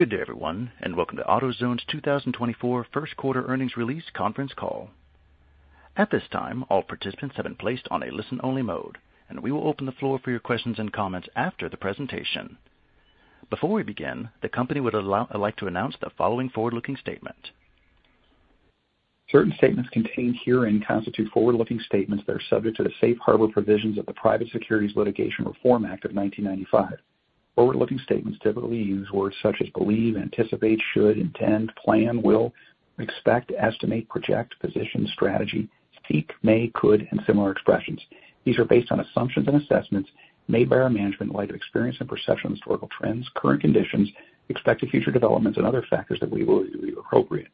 Good day, everyone, and welcome to AutoZone's 2024 First Quarter Earnings Release Conference Call. At this time, all participants have been placed on a listen-only mode, and we will open the floor for your questions and comments after the presentation. Before we begin, the company would like to announce the following forward-looking statement. Certain statements contained herein constitute forward-looking statements that are subject to the safe harbor provisions of the Private Securities Litigation Reform Act of 1995. Forward-looking statements typically use words such as believe, anticipate, should, intend, plan, will, expect, estimate, project, position, strategy, seek, may, could, and similar expressions. These are based on assumptions and assessments made by our management in light of experience and perception, historical trends, current conditions, expected future developments, and other factors that we believe are appropriate.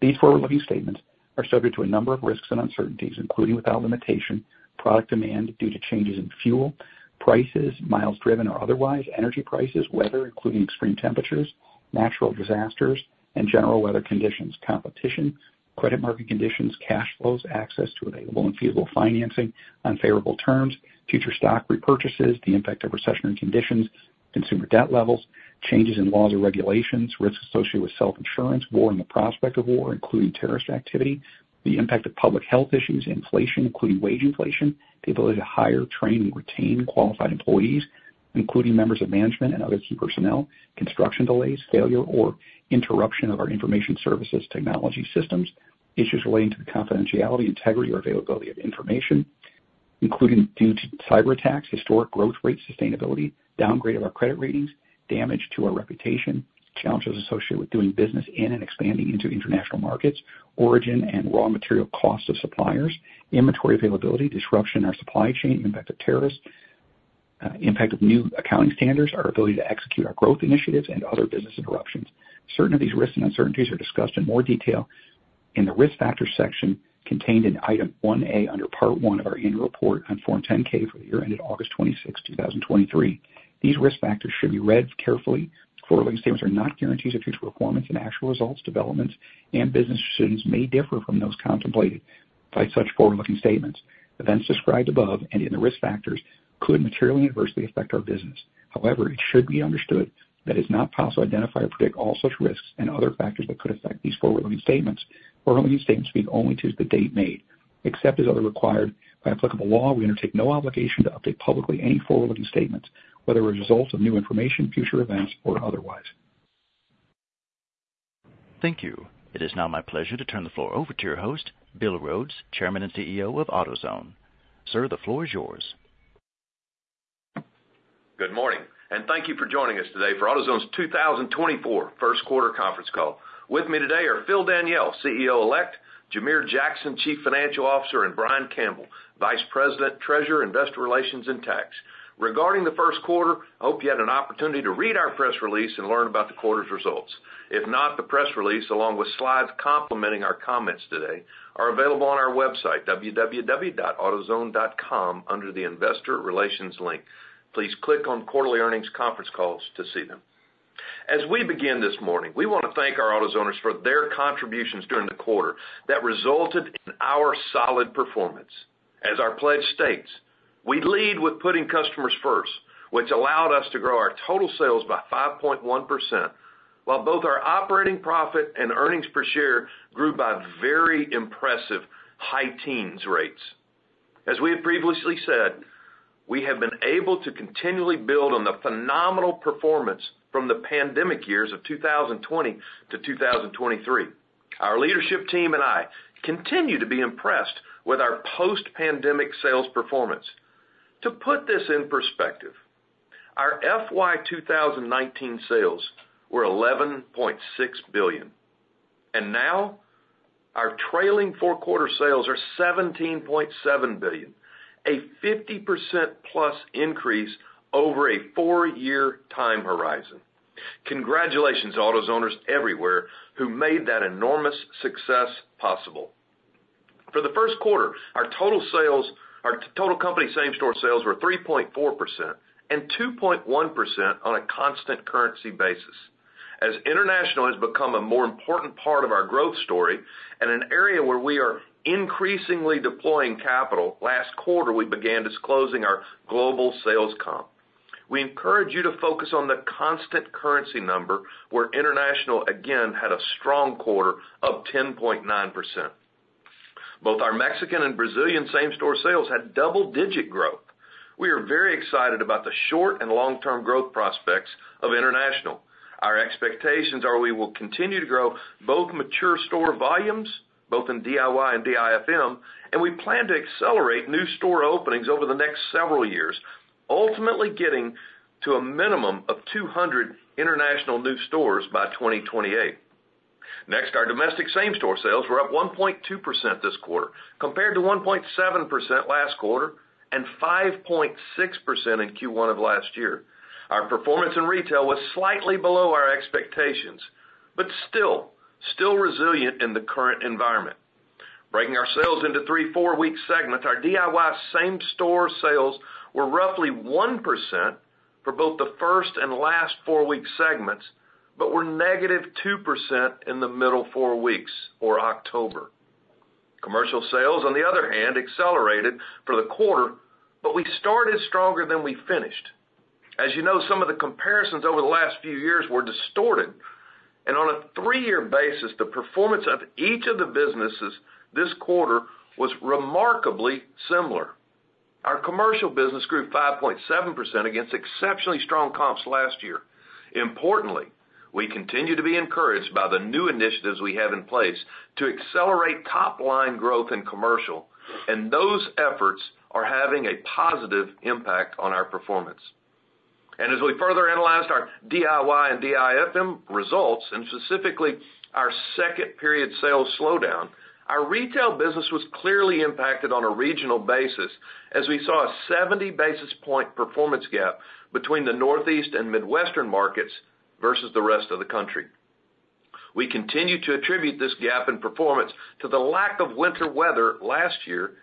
These forward-looking statements are subject to a number of risks and uncertainties, including without limitation, product demand due to changes in fuel prices, miles driven or otherwise, energy prices, weather, including extreme temperatures, natural disasters and general weather conditions, competition, credit market conditions, cash flows, access to available and feasible financing, unfavorable terms, future stock repurchases, the impact of recessionary conditions, consumer debt levels, changes in laws or regulations, risks associated with self-insurance, war and the prospect of war, including terrorist activity, the impact of public health issues, inflation, including wage inflation, the ability to hire, train, and retain qualified employees, including members of management and other key personnel, construction delays, failure or interruption of our information services technology systems, issues relating to the confidentiality, integrity, or availability of information, including due to cyberattacks, historic growth rates, sustainability, downgrade of our credit ratings, damage to our reputation, challenges associated with doing business in and expanding into international markets, origin and raw material costs of suppliers, inventory availability, disruption in our supply chain, impact of terrorists, impact of new accounting standards, our ability to execute our growth initiatives and other business interruptions. Certain of these risks and uncertainties are discussed in more detail in the Risk Factors section contained in Item 1A under Part I of our annual report on Form 10-K for the year ended August 26, 2023. These risk factors should be read carefully. Forward-looking statements are not guarantees of future performance, and actual results, developments, and business decisions may differ from those contemplated by such forward-looking statements. Events described above and in the risk factors could materially adversely affect our business. However, it should be understood that it's not possible to identify or predict all such risks and other factors that could affect these forward-looking statements. Forward-looking statements speak only to the date made. Except as otherwise required by applicable law, we undertake no obligation to update publicly any forward-looking statements, whether as a result of new information, future events, or otherwise. Thank you. It is now my pleasure to turn the floor over to your host, Bill Rhodes, Chairman and CEO of AutoZone. Sir, the floor is yours. Good morning, and thank you for joining us today for AutoZone's 2024 first quarter conference call. With me today are Phil Daniele, CEO-Elect, Jamere Jackson, Chief Financial Officer, and Brian Campbell, Vice President, Treasurer, Investor Relations, and Tax. Regarding the first quarter, I hope you had an opportunity to read our press release and learn about the quarter's results. If not, the press release, along with slides complementing our comments today, are available on our website, www.autozone.com, under the Investor Relations link. Please click on Quarterly Earnings Conference Calls to see them. As we begin this morning, we want to thank our AutoZoners for their contributions during the quarter that resulted in our solid performance. As our pledge states, we lead with putting customers first, which allowed us to grow our total sales by 5.1%, while both our operating profit and earnings per share grew by very impressive high teens% rates. As we have previously said, we have been able to continually build on the phenomenal performance from the pandemic years of 2020 to 2023. Our leadership team and I continue to be impressed with our post-pandemic sales performance. To put this in perspective, our FY 2019 sales were $11.6 billion, and now our trailing four-quarter sales are $17.7 billion, a +50% increase over a four-year time horizon. Congratulations to AutoZoners everywhere who made that enormous success possible. For the first quarter, our total sales—our total company same-store sales were 3.4% and 2.1% on a constant currency basis. As international has become a more important part of our growth story and an area where we are increasingly deploying capital, last quarter, we began disclosing our global sales comp. We encourage you to focus on the constant currency number, where international again had a strong quarter of 10.9%. Both our Mexican and Brazilian same-store sales had double-digit growth. We are very excited about the short- and long-term growth prospects of international. Our expectations are we will continue to grow both mature store volumes, both in DIY and DIFM, and we plan to accelerate new store openings over the next several years, ultimately getting to a minimum of 200 international new stores by 2028. Next, our domestic same-store sales were up 1.2% this quarter compared to 1.7% last quarter and 5.6% in Q1 of last year. Our performance in retail was slightly below our expectations, but still resilient in the current environment. Breaking our sales into three four-week segments, our DIY same-store sales were roughly 1% for both the first and last four-week segments, but were -2% in the middle four weeks or October. Commercial sales, on the other hand, accelerated for the quarter, but we started stronger than we finished. As you know, some of the comparisons over the last few years were distorted, and on a three-year basis, the performance of each of the businesses this quarter was remarkably similar. Our commercial business grew 5.7% against exceptionally strong comps last year. Importantly, we continue to be encouraged by the new initiatives we have in place to accelerate top-line growth in commercial, and those efforts are having a positive impact on our performance. As we further analyzed our DIY and DIFM results, and specifically our second period sales slowdown, our retail business was clearly impacted on a regional basis, as we saw a 70 basis point performance gap between the Northeast and Midwestern markets versus the rest of the country. We continue to attribute this gap in performance to the lack of winter weather last year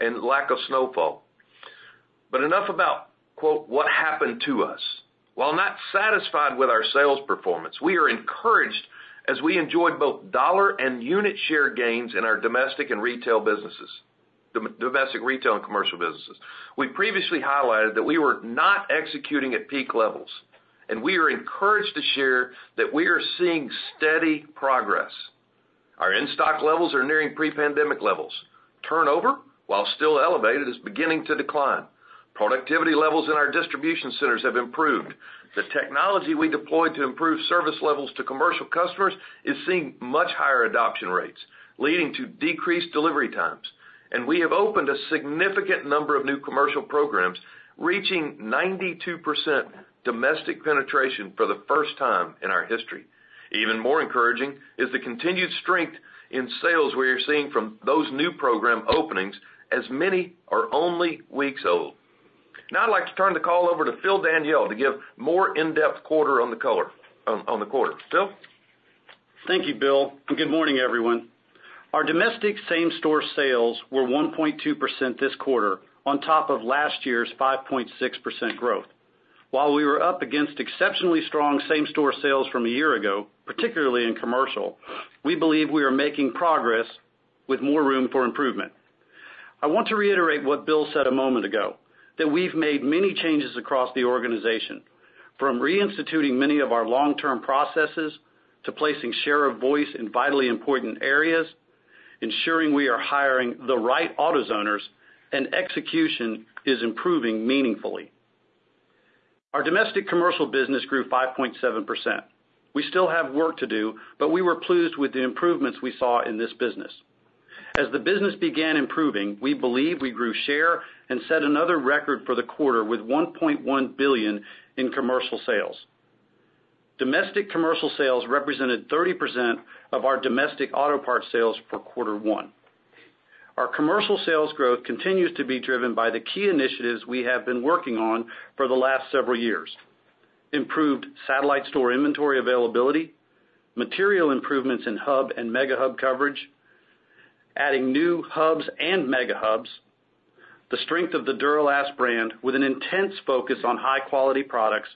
and lack of snowfall. But enough about, quote, "What happened to us." While not satisfied with our sales performance, we are encouraged as we enjoyed both dollar and unit share gains in our domestic and retail businesses- domestic, retail, and commercial businesses. We previously highlighted that we were not executing at peak levels, and we are encouraged to share that we are seeing steady progress. Our in-stock levels are nearing pre-pandemic levels. Turnover, while still elevated, is beginning to decline. Productivity levels in our distribution centers have improved. The technology we deployed to improve service levels to commercial customers is seeing much higher adoption rates, leading to decreased delivery times. And we have opened a significant number of new commercial programs, reaching 92% domestic penetration for the first time in our history. Even more encouraging is the continued strength in sales we are seeing from those new program openings, as many are only weeks old. Now I'd like to turn the call over to Phil Daniele to give more in-depth quarter on the quarter. Phil? Thank you, Bill, and good morning, everyone. Our domestic same-store sales were 1.2% this quarter, on top of last year's 5.6% growth. While we were up against exceptionally strong same-store sales from a year ago, particularly in commercial, we believe we are making progress with more room for improvement. I want to reiterate what Bill said a moment ago, that we've made many changes across the organization, from reinstituting many of our long-term processes, to placing share of voice in vitally important areas, ensuring we are hiring the right AutoZoners, and execution is improving meaningfully. Our domestic commercial business grew 5.7%. We still have work to do, but we were pleased with the improvements we saw in this business. As the business began improving, we believe we grew share and set another record for the quarter with $1.1 billion in commercial sales. Domestic commercial sales represented 30% of our domestic auto parts sales for Q1. Our commercial sales growth continues to be driven by the key initiatives we have been working on for the last several years: improved satellite store inventory availability, material improvements in Hub and Mega Hub coverage, adding new Hubs and Mega Hubs, the strength of the Duralast brand with an intense focus on high-quality products,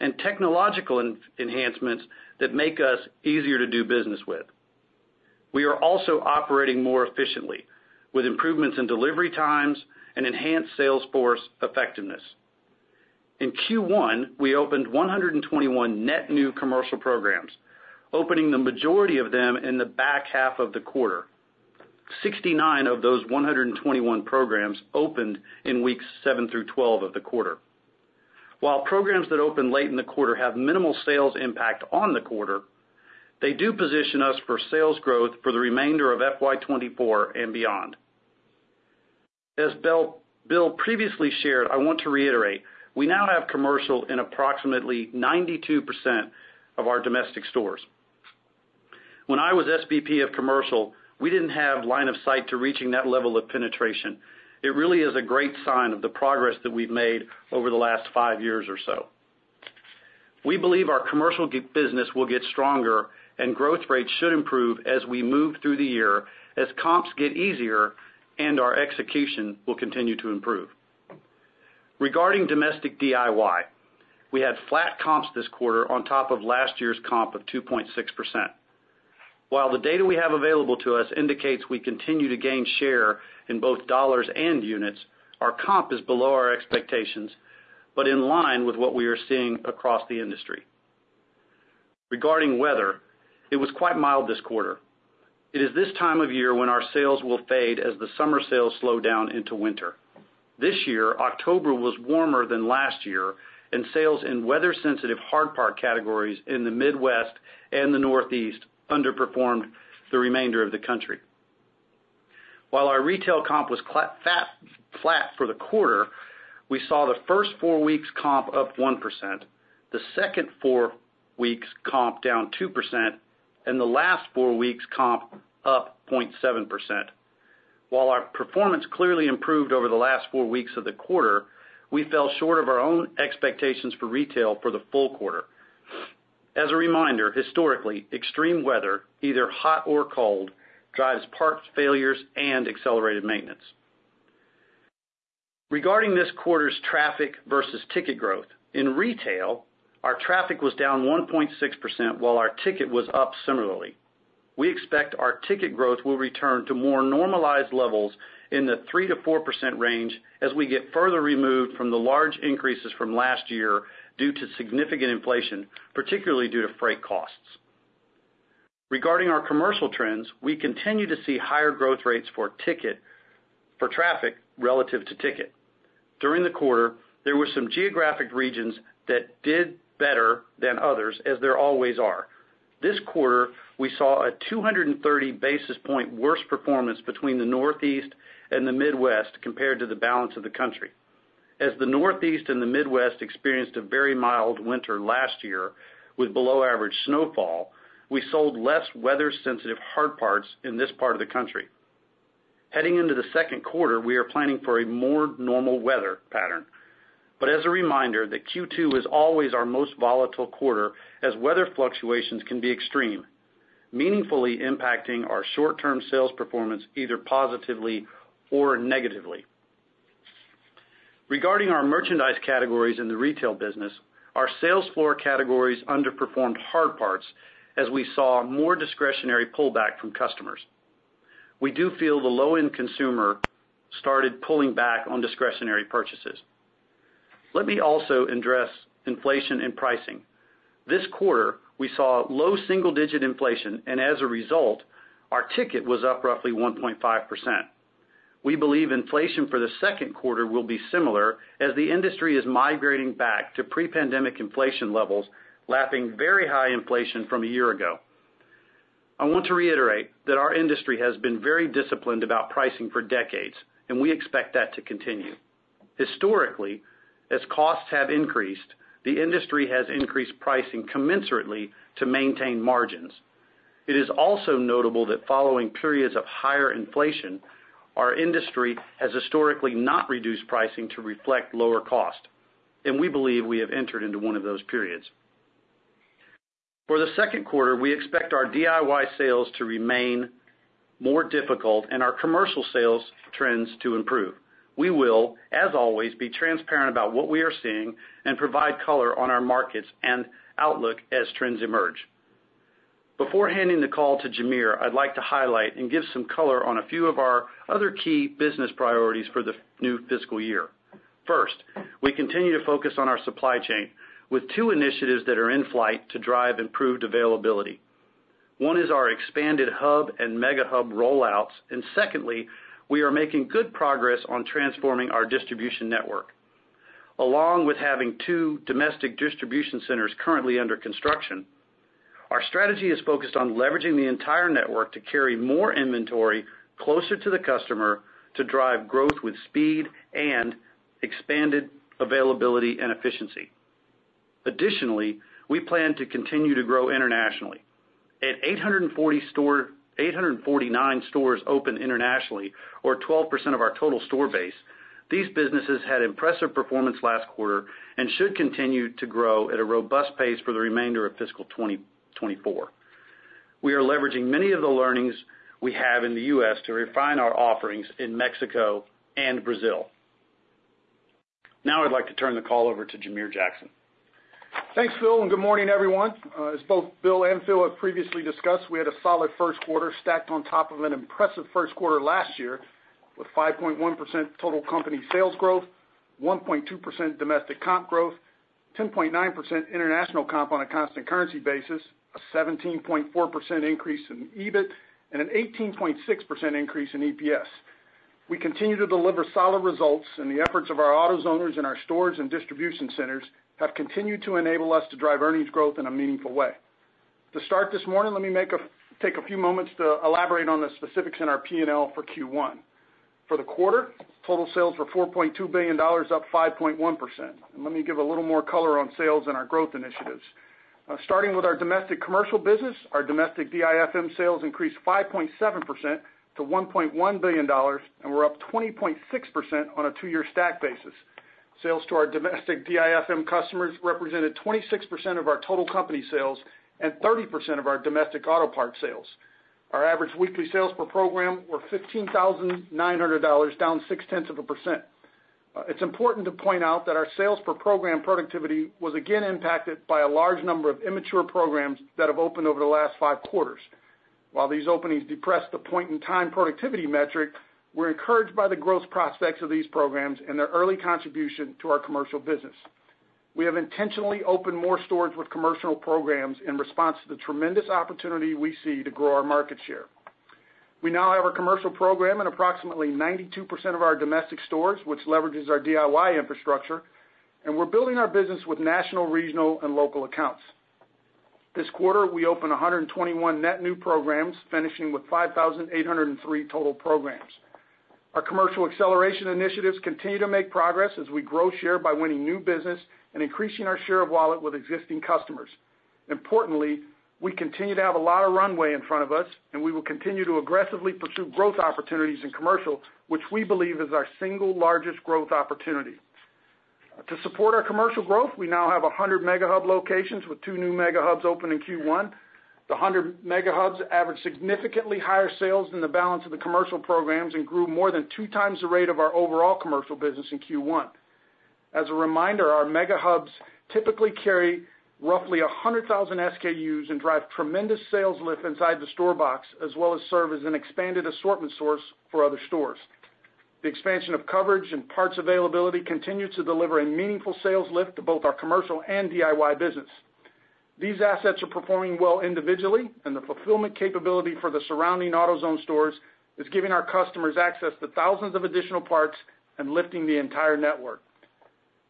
and technological enhancements that make us easier to do business with. We are also operating more efficiently, with improvements in delivery times and enhanced salesforce effectiveness. In Q1, we opened 121 net new commercial programs, opening the majority of them in the back half of the quarter. 69 of those 121 programs opened in weeks 7 through 12 of the quarter. While programs that open late in the quarter have minimal sales impact on the quarter, they do position us for sales growth for the remainder of FY 2024 and beyond. As Bill previously shared, I want to reiterate, we now have commercial in approximately 92% of our domestic stores. When I was SVP of commercial, we didn't have line of sight to reaching that level of penetration. It really is a great sign of the progress that we've made over the last five years or so. We believe our commercial business will get stronger and growth rates should improve as we move through the year, as comps get easier and our execution will continue to improve. Regarding domestic DIY, we had flat comps this quarter on top of last year's comp of 2.6%. While the data we have available to us indicates we continue to gain share in both dollars and units, our comp is below our expectations, but in line with what we are seeing across the industry. Regarding weather, it was quite mild this quarter. It is this time of year when our sales will fade as the summer sales slow down into winter. This year, October was warmer than last year, and sales in weather-sensitive hard part categories in the Midwest and the Northeast underperformed the remainder of the country. While our retail comp was flat for the quarter, we saw the first four weeks comp up 1%, the second four weeks comp down 2%, and the last four weeks comp up 0.7%. While our performance clearly improved over the last four weeks of the quarter, we fell short of our own expectations for retail for the full quarter. As a reminder, historically, extreme weather, either hot or cold, drives parts failures, and accelerated maintenance.... Regarding this quarter's traffic versus ticket growth, in retail, our traffic was down 1.6%, while our ticket was up similarly. We expect our ticket growth will return to more normalized levels in the 3%-4% range as we get further removed from the large increases from last year due to significant inflation, particularly due to freight costs. Regarding our commercial trends, we continue to see higher growth rates for traffic relative to ticket. During the quarter, there were some geographic regions that did better than others, as there always are. This quarter, we saw a 230 basis point worse performance between the Northeast and the Midwest compared to the balance of the country. As the Northeast and the Midwest experienced a very mild winter last year with below average snowfall, we sold less weather-sensitive hard parts in this part of the country. Heading into the second quarter, we are planning for a more normal weather pattern. But as a reminder, the Q2 is always our most volatile quarter, as weather fluctuations can be extreme, meaningfully impacting our short-term sales performance either positively or negatively. Regarding our merchandise categories in the retail business, our sales floor categories underperformed hard parts as we saw a more discretionary pullback from customers. We do feel the low-end consumer started pulling back on discretionary purchases. Let me also address inflation and pricing. This quarter, we saw low single-digit inflation, and as a result, our ticket was up roughly 1.5%. We believe inflation for the second quarter will be similar as the industry is migrating back to pre-pandemic inflation levels, lapping very high inflation from a year ago. I want to reiterate that our industry has been very disciplined about pricing for decades, and we expect that to continue. Historically, as costs have increased, the industry has increased pricing commensurately to maintain margins. It is also notable that following periods of higher inflation, our industry has historically not reduced pricing to reflect lower cost, and we believe we have entered into one of those periods. For the second quarter, we expect our DIY sales to remain more difficult and our commercial sales trends to improve. We will, as always, be transparent about what we are seeing and provide color on our markets and outlook as trends emerge. Before handing the call to Jamere, I'd like to highlight and give some color on a few of our other key business priorities for the new fiscal year. First, we continue to focus on our supply chain, with two initiatives that are in flight to drive improved availability. One is our expanded Hub and Mega Hub rollouts, and secondly, we are making good progress on transforming our distribution network. Along with having two domestic distribution centers currently under construction, our strategy is focused on leveraging the entire network to carry more inventory closer to the customer, to drive growth with speed and expanded availability and efficiency. Additionally, we plan to continue to grow internationally. At 849 stores open internationally, or 12% of our total store base, these businesses had impressive performance last quarter and should continue to grow at a robust pace for the remainder of fiscal 2024. We are leveraging many of the learnings we have in the U.S. to refine our offerings in Mexico and Brazil. Now I'd like to turn the call over to Jamere Jackson. Thanks, Phil, and good morning, everyone. As both Bill and Phil have previously discussed, we had a solid first quarter stacked on top of an impressive first quarter last year, with 5.1% total company sales growth, 1.2% domestic comp growth, 10.9% international comp on a constant currency basis, a 17.4% increase in EBIT, and an 18.6% increase in EPS. We continue to deliver solid results, and the efforts of our AutoZoners in our stores and distribution centers have continued to enable us to drive earnings growth in a meaningful way. To start this morning, let me take a few moments to elaborate on the specifics in our P&L for Q1. For the quarter, total sales were $4.2 billion, up 5.1%. Let me give a little more color on sales and our growth initiatives. Starting with our domestic commercial business, our domestic DIFM sales increased 5.7% to $1.1 billion, and we're up 20.6% on a two-year stack basis. Sales to our domestic DIFM customers represented 26% of our total company sales and 30% of our domestic auto parts sales. Our average weekly sales per program were $15,900, down 0.6%. It's important to point out that our sales per program productivity was again impacted by a large number of immature programs that have opened over the last five quarters. While these openings depress the point-in-time productivity metric, we're encouraged by the growth prospects of these programs and their early contribution to our commercial business. We have intentionally opened more stores with commercial programs in response to the tremendous opportunity we see to grow our market share. We now have a commercial program in approximately 92% of our domestic stores, which leverages our DIY infrastructure, and we're building our business with national, regional, and local accounts. This quarter, we opened 121 net new programs, finishing with 5,803 total programs. Our commercial acceleration initiatives continue to make progress as we grow share by winning new business and increasing our share of wallet with existing customers. Importantly, we continue to have a lot of runway in front of us, and we will continue to aggressively pursue growth opportunities in commercial, which we believe is our single largest growth opportunity. To support our commercial growth, we now have 100 Mega Hubs locations, with two new Mega Hubs open in Q1. The 100 Mega Hubs average significantly higher sales than the balance of the commercial programs and grew more than 2x the rate of our overall commercial business in Q1. As a reminder, our Mega Hubs typically carry roughly 100,000 SKUs and drive tremendous sales lift inside the store box, as well as serve as an expanded assortment source for other stores. The expansion of coverage and parts availability continue to deliver a meaningful sales lift to both our commercial and DIY business. These assets are performing well individually, and the fulfillment capability for the surrounding AutoZone stores is giving our customers access to thousands of additional parts and lifting the entire network.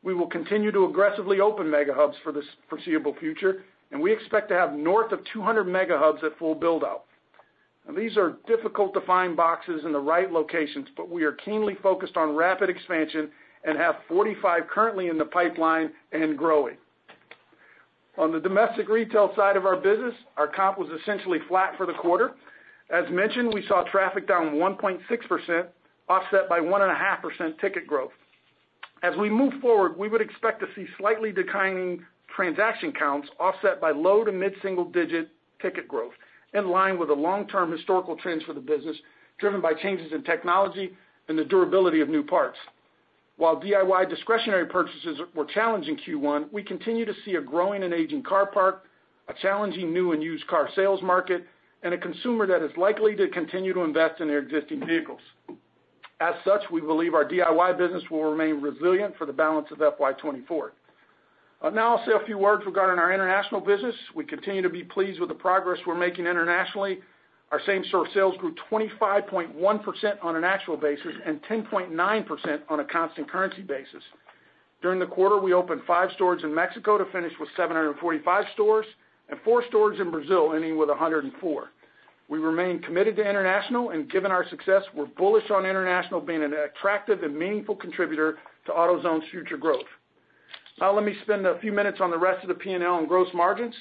We will continue to aggressively open Mega Hubs for the foreseeable future, and we expect to have north of 200 Mega Hubs at full build-out. Now, these are difficult-to-find boxes in the right locations, but we are keenly focused on rapid expansion and have 45 currently in the pipeline and growing. On the domestic retail side of our business, our comp was essentially flat for the quarter. As mentioned, we saw traffic down 1.6%, offset by 1.5% ticket growth. As we move forward, we would expect to see slightly declining transaction counts offset by low- to mid-single-digit ticket growth, in line with the long-term historical trends for the business, driven by changes in technology and the durability of new parts. While DIY discretionary purchases were challenging Q1, we continue to see a growing and aging car park, a challenging new and used car sales market, and a consumer that is likely to continue to invest in their existing vehicles. As such, we believe our DIY business will remain resilient for the balance of FY 2024. Now I'll say a few words regarding our international business. We continue to be pleased with the progress we're making internationally. Our same-store sales grew 25.1% on an actual basis and 10.9% on a constant currency basis. During the quarter, we opened five stores in Mexico to finish with 745 stores and 4 stores in Brazil, ending with 104. We remain committed to international, and given our success, we're bullish on international being an attractive and meaningful contributor to AutoZone's future growth. Now let me spend a few minutes on the rest of the P&L and gross margins.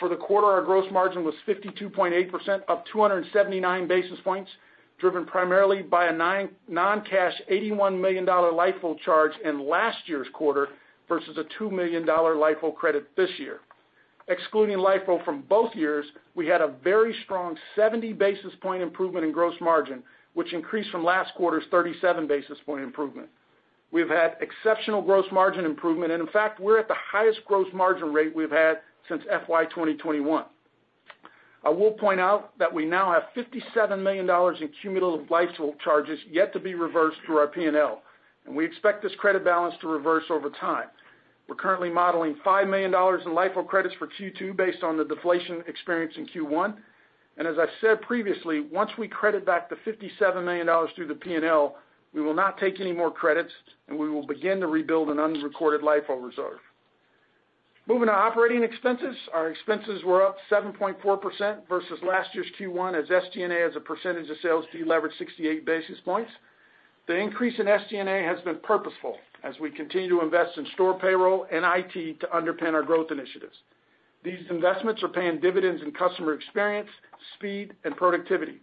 For the quarter, our gross margin was 52.8%, up 279 basis points, driven primarily by a non-cash $81 million LIFO charge in last year's quarter versus a $2 million LIFO credit this year. Excluding LIFO from both years, we had a very strong 70 basis point improvement in gross margin, which increased from last quarter's 37 basis point improvement. We've had exceptional gross margin improvement, and in fact, we're at the highest gross margin rate we've had since FY 2021. I will point out that we now have $57 million in cumulative LIFO charges yet to be reversed through our P&L, and we expect this credit balance to reverse over time. We're currently modeling $5 million in LIFO credits for Q2 based on the deflation experience in Q1. And as I've said previously, once we credit back the $57 million through the P&L, we will not take any more credits, and we will begin to rebuild an unrecorded LIFO reserve. Moving to operating expenses. Our expenses were up 7.4% versus last year's Q1, as SG&A, as a percentage of sales, deleveraged 68 basis points. The increase in SG&A has been purposeful as we continue to invest in store payroll and IT to underpin our growth initiatives. These investments are paying dividends in customer experience, speed, and productivity.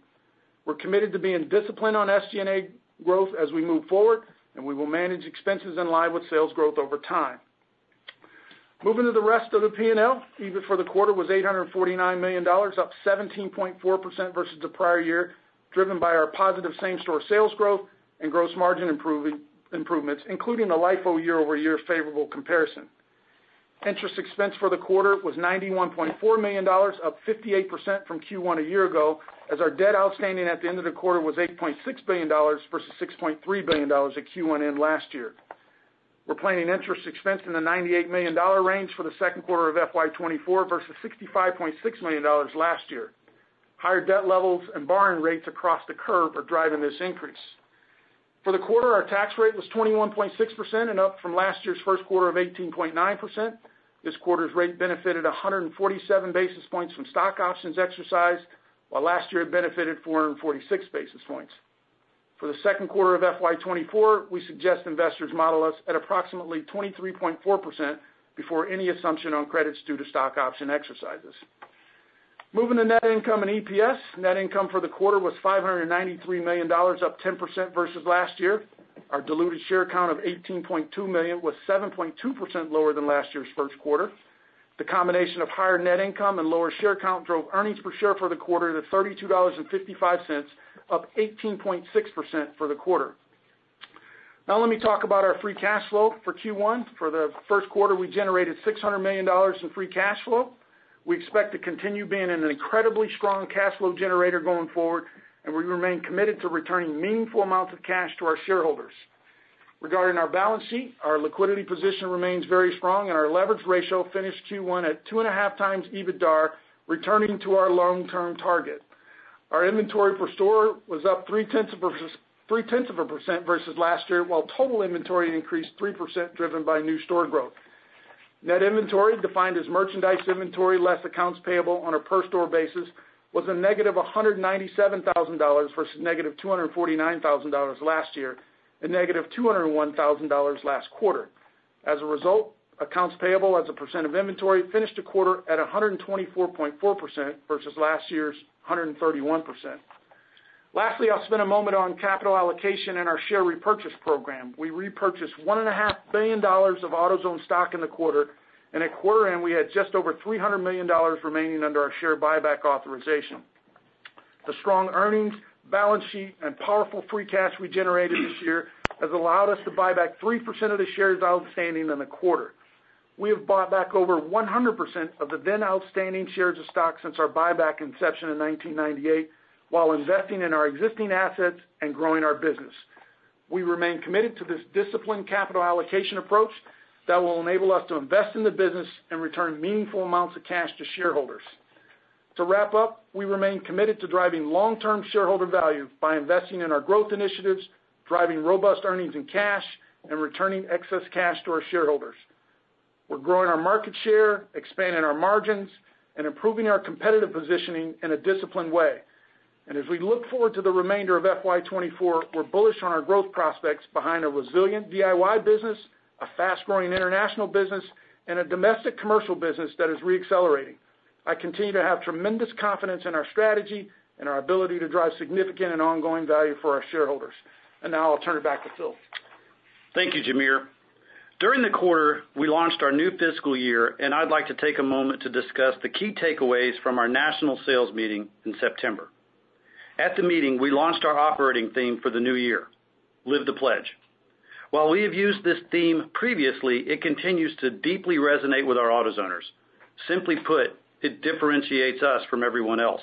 We're committed to being disciplined on SG&A growth as we move forward, and we will manage expenses in line with sales growth over time. Moving to the rest of the P&L, EBIT for the quarter was $849 million, up 17.4% versus the prior year, driven by our positive same-store sales growth and gross margin improvements, including a LIFO year-over-year favorable comparison. Interest expense for the quarter was $91.4 million, up 58% from Q1 a year ago, as our debt outstanding at the end of the quarter was $8.6 billion versus $6.3 billion at Q1 end last year. We're planning interest expense in the $98 million range for the second quarter of FY 2024 versus $65.6 million last year. Higher debt levels and borrowing rates across the curve are driving this increase. For the quarter, our tax rate was 21.6% and up from last year's first quarter of 18.9%. This quarter's rate benefited 147 basis points from stock options exercised, while last year it benefited 446 basis points. For the second quarter of FY 2024, we suggest investors model us at approximately 23.4% before any assumption on credits due to stock option exercises. Moving to net income and EPS. Net income for the quarter was $593 million, up 10% versus last year. Our diluted share count of 18.2 million was 7.2% lower than last year's first quarter. The combination of higher net income and lower share count drove earnings per share for the quarter to $32.55, up 18.6% for the quarter. Now let me talk about our free cash flow for Q1. For the first quarter, we generated $600 million in free cash flow. We expect to continue being an incredibly strong cash flow generator going forward, and we remain committed to returning meaningful amounts of cash to our shareholders. Regarding our balance sheet, our liquidity position remains very strong, and our leverage ratio finished Q1 at 2.5x EBITDAR, returning to our long-term target. Our inventory per store was up 0.3% versus last year, while total inventory increased 3%, driven by new store growth. Net inventory, defined as merchandise inventory less accounts payable on a per-store basis, was negative $197,000 versus negative $249,000 last year, and negative $201,000 last quarter. As a result, accounts payable, as a percent of inventory, finished the quarter at 124.4% versus last year's 131%. Lastly, I'll spend a moment on capital allocation and our share repurchase program. We repurchased $1.5 billion of AutoZone stock in the quarter, and at quarter end, we had just over $300 million remaining under our share buyback authorization. The strong earnings, balance sheet, and powerful free cash we generated this year has allowed us to buy back 3% of the shares outstanding in the quarter. We have bought back over 100% of the then outstanding shares of stock since our buyback inception in 1998, while investing in our existing assets and growing our business. We remain committed to this disciplined capital allocation approach that will enable us to invest in the business and return meaningful amounts of cash to shareholders. To wrap up, we remain committed to driving long-term shareholder value by investing in our growth initiatives, driving robust earnings and cash, and returning excess cash to our shareholders. We're growing our market share, expanding our margins, and improving our competitive positioning in a disciplined way. As we look forward to the remainder of FY 2024, we're bullish on our growth prospects behind a resilient DIY business, a fast-growing international business, and a domestic commercial business that is reaccelerating. I continue to have tremendous confidence in our strategy and our ability to drive significant and ongoing value for our shareholders. Now I'll turn it back to Phil. Thank you, Jamere. During the quarter, we launched our new fiscal year, and I'd like to take a moment to discuss the key takeaways from our national sales meeting in September. At the meeting, we launched our operating theme for the new year, Live the Pledge. While we have used this theme previously, it continues to deeply resonate with our AutoZoners. Simply put, it differentiates us from everyone else.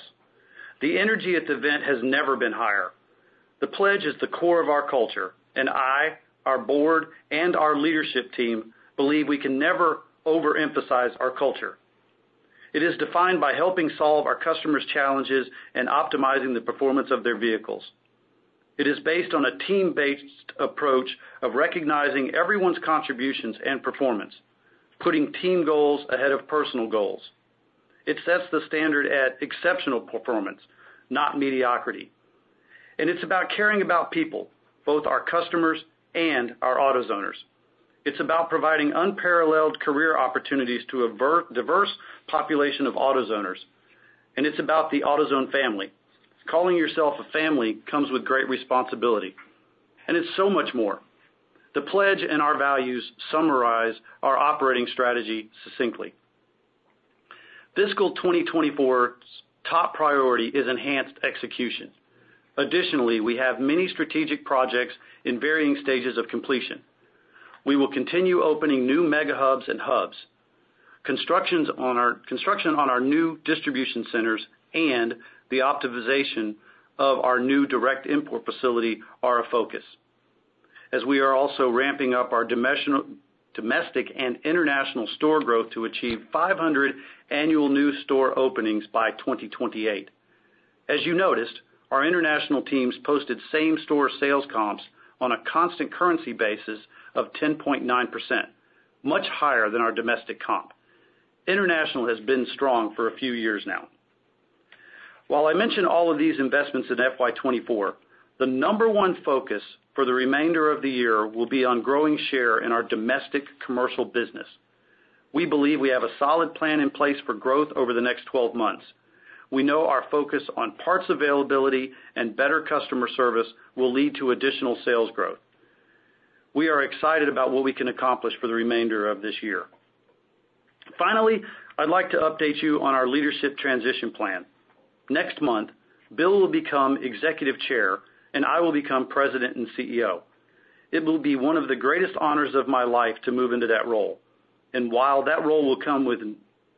The energy at the event has never been higher. The pledge is the core of our culture, and I, our Board, and our leadership team believe we can never overemphasize our culture. It is defined by helping solve our customers' challenges and optimizing the performance of their vehicles. It is based on a team-based approach of recognizing everyone's contributions and performance, putting team goals ahead of personal goals. It sets the standard at exceptional performance, not mediocrity. It's about caring about people, both our customers and our AutoZoners. It's about providing unparalleled career opportunities to a very diverse population of AutoZoners, and it's about the AutoZone family. Calling yourself a family comes with great responsibility, and it's so much more. The pledge and our values summarize our operating strategy succinctly. Fiscal 2024's top priority is enhanced execution. Additionally, we have many strategic projects in varying stages of completion. We will continue opening new Mega Hubs and Hubs. Construction on our new distribution centers and the optimization of our new direct import facility are a focus, as we are also ramping up our domestic and international store growth to achieve 500 annual new store openings by 2028. As you noticed, our international teams posted same-store sales comps on a constant currency basis of 10.9%, much higher than our domestic comp. International has been strong for a few years now. While I mention all of these investments in FY 2024, the number one focus for the remainder of the year will be on growing share in our domestic commercial business. We believe we have a solid plan in place for growth over the next 12 months. We know our focus on parts availability and better customer service will lead to additional sales growth. We are excited about what we can accomplish for the remainder of this year. Finally, I'd like to update you on our leadership transition plan. Next month, Bill will become Executive Chairman, and I will become President and CEO. It will be one of the greatest honors of my life to move into that role. While that role will come with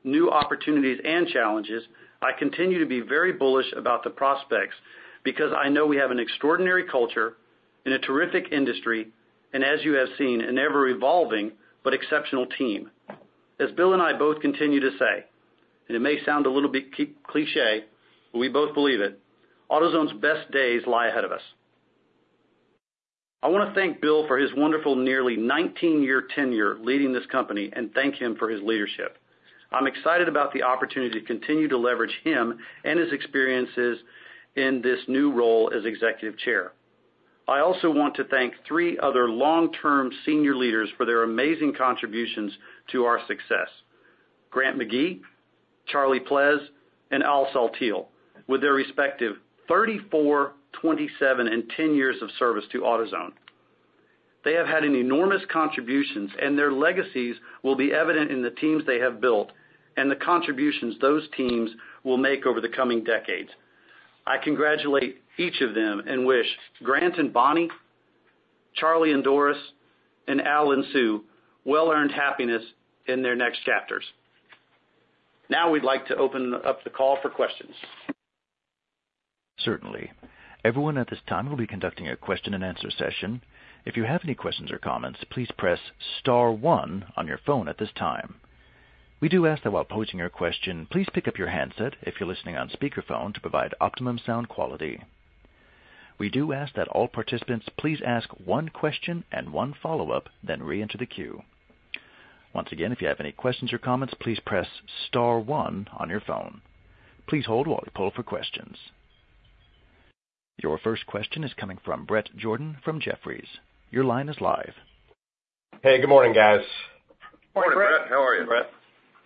new opportunities and challenges, I continue to be very bullish about the prospects, because I know we have an extraordinary culture in a terrific industry, and as you have seen, an ever-evolving but exceptional team. As Bill and I both continue to say, and it may sound a little bit cliché, but we both believe it, AutoZone's best days lie ahead of us. I want to thank Bill for his wonderful nearly 19-year tenure leading this company and thank him for his leadership. I'm excited about the opportunity to continue to leverage him and his experiences in this new role as Executive Chair. I also want to thank three other long-term senior leaders for their amazing contributions to our success: Grant McGee, Charlie Pleas, and Al Saltiel, with their respective 34, 27, and 10 years of service to AutoZone. They have had an enormous contributions, and their legacies will be evident in the teams they have built and the contributions those teams will make over the coming decades. I congratulate each of them and wish Grant and Bonnie, Charlie and Doris, and Al and Sue well-earned happiness in their next chapters. Now we'd like to open up the call for questions. Certainly. Everyone at this time, we'll be conducting a question-and-answer session. If you have any questions or comments, please press star one on your phone at this time. We do ask that while posing your question, please pick up your handset if you're listening on speakerphone to provide optimum sound quality. We do ask that all participants please ask one question and one follow-up, then reenter the queue. Once again, if you have any questions or comments, please press star one on your phone. Please hold while we pull for questions. Your first question is coming from Bret Jordan from Jefferies. Your line is live. Hey, good morning, guys. Good morning, Bret. How are you, Bret?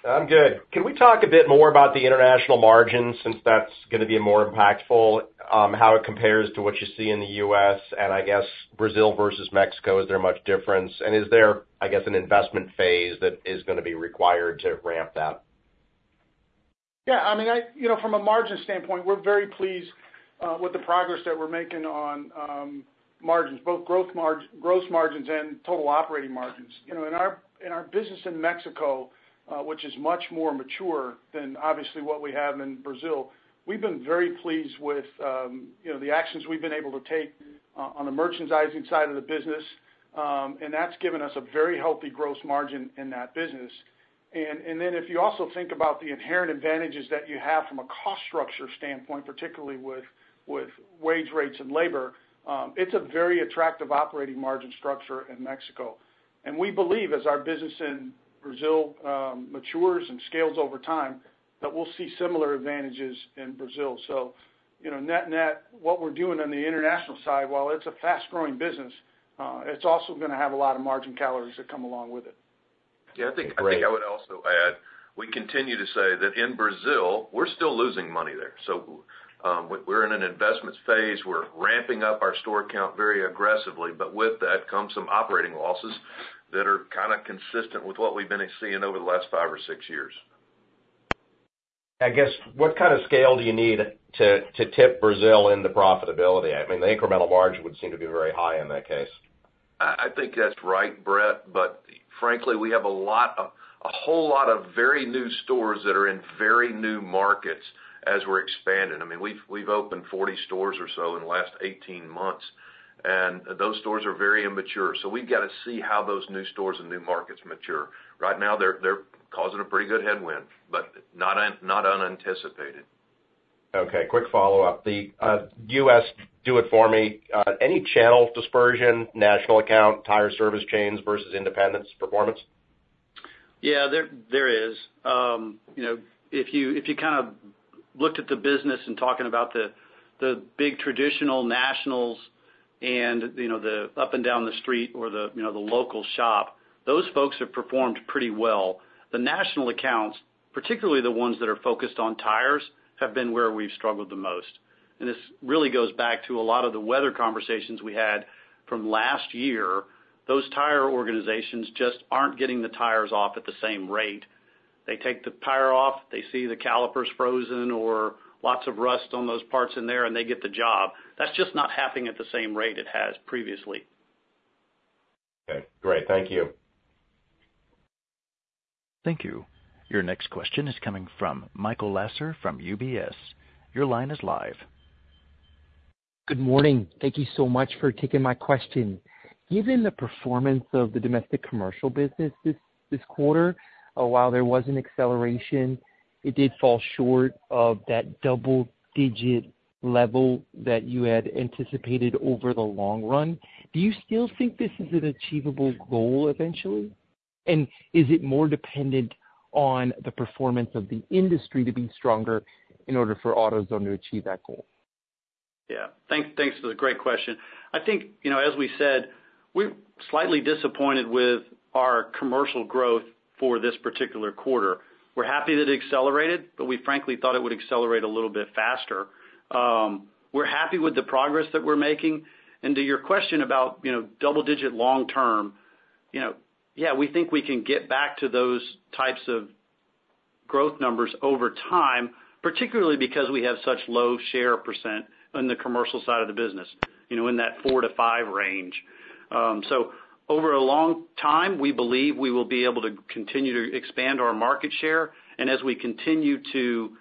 I'm good. Can we talk a bit more about the international margins, since that's gonna be more impactful, how it compares to what you see in the U.S., and I guess Brazil versus Mexico, is there much difference? And is there, I guess, an investment phase that is gonna be required to ramp that? Yeah, I mean, you know, from a margin standpoint, we're very pleased with the progress that we're making on margins, both gross margins and total operating margins. You know, in our business in Mexico, which is much more mature than obviously what we have in Brazil, we've been very pleased with, you know, the actions we've been able to take on the merchandising side of the business, and that's given us a very healthy gross margin in that business. And then if you also think about the inherent advantages that you have from a cost structure standpoint, particularly with wage rates and labor, it's a very attractive operating margin structure in Mexico. And we believe, as our business in Brazil matures and scales over time, that we'll see similar advantages in Brazil. You know, net-net, what we're doing on the international side, while it's a fast-growing business, it's also gonna have a lot of margin calories that come along with it. Yeah, I think I would also add, we continue to say that in Brazil, we're still losing money there. So, we're in an investment phase. We're ramping up our store count very aggressively, but with that comes some operating losses that are kinda consistent with what we've been seeing over the last five or six years. I guess, what kind of scale do you need to tip Brazil into profitability? I mean, the incremental margin would seem to be very high in that case. I think that's right, Brett, but frankly, we have a lot of-- a whole lot of very new stores that are in very new markets as we're expanding. I mean, we've opened 40 stores or so in the last 18 months, and those stores are very immature. So we've got to see how those new stores and new markets mature. Right now, they're causing a pretty good headwind, but not unanticipated. Okay, quick follow-up. The U.S. Do It For Me, any channel dispersion, national account, tire service chains versus independents performance? Yeah, there is. You know, if you kind of looked at the business and talking about the big traditional nationals and, you know, the up and down the street or the local shop, those folks have performed pretty well. The national accounts, particularly the ones that are focused on tires, have been where we've struggled the most. And this really goes back to a lot of the weather conversations we had from last year. Those tire organizations just aren't getting the tires off at the same rate. They take the tire off, they see the calipers frozen or lots of rust on those parts in there, and they get the job. That's just not happening at the same rate it has previously. Okay, great. Thank you. Thank you. Your next question is coming from Michael Lasser, from UBS. Your line is live. Good morning. Thank you so much for taking my question. Given the performance of the domestic commercial business this quarter, while there was an acceleration, it did fall short of that double-digit level that you had anticipated over the long run. Do you still think this is an achievable goal eventually? And is it more dependent on the performance of the industry to be stronger in order for AutoZone to achieve that goal? Yeah. Thanks for the great question. I think, you know, as we said, we're slightly disappointed with our commercial growth for this particular quarter. We're happy that it accelerated, but we frankly thought it would accelerate a little bit faster. We're happy with the progress that we're making. And to your question about, you know, double-digit long term, you know, yeah, we think we can get back to those types of growth numbers over time, particularly because we have such low share percent on the commercial side of the business, you know, in that 4%-5% range. Over a long time, we believe we will be able to continue to expand our market share, and as we continue to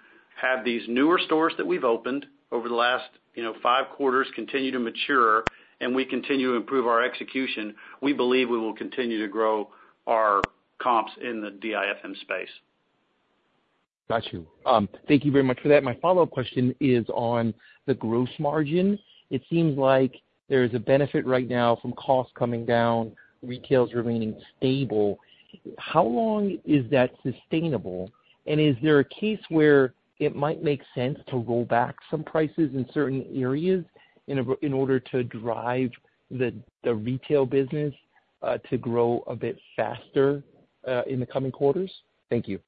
have these newer stores that we've opened over the last, you know, five quarters continue to mature, and we continue to improve our execution, we believe we will continue to grow our comps in the DIFM space. Got you. Thank you very much for that. My follow-up question is on the gross margin. It seems like there is a benefit right now from costs coming down, retails remaining stable. How long is that sustainable? And is there a case where it might make sense to roll back some prices in certain areas in order to drive the retail business to grow a bit faster in the coming quarters? Thank you.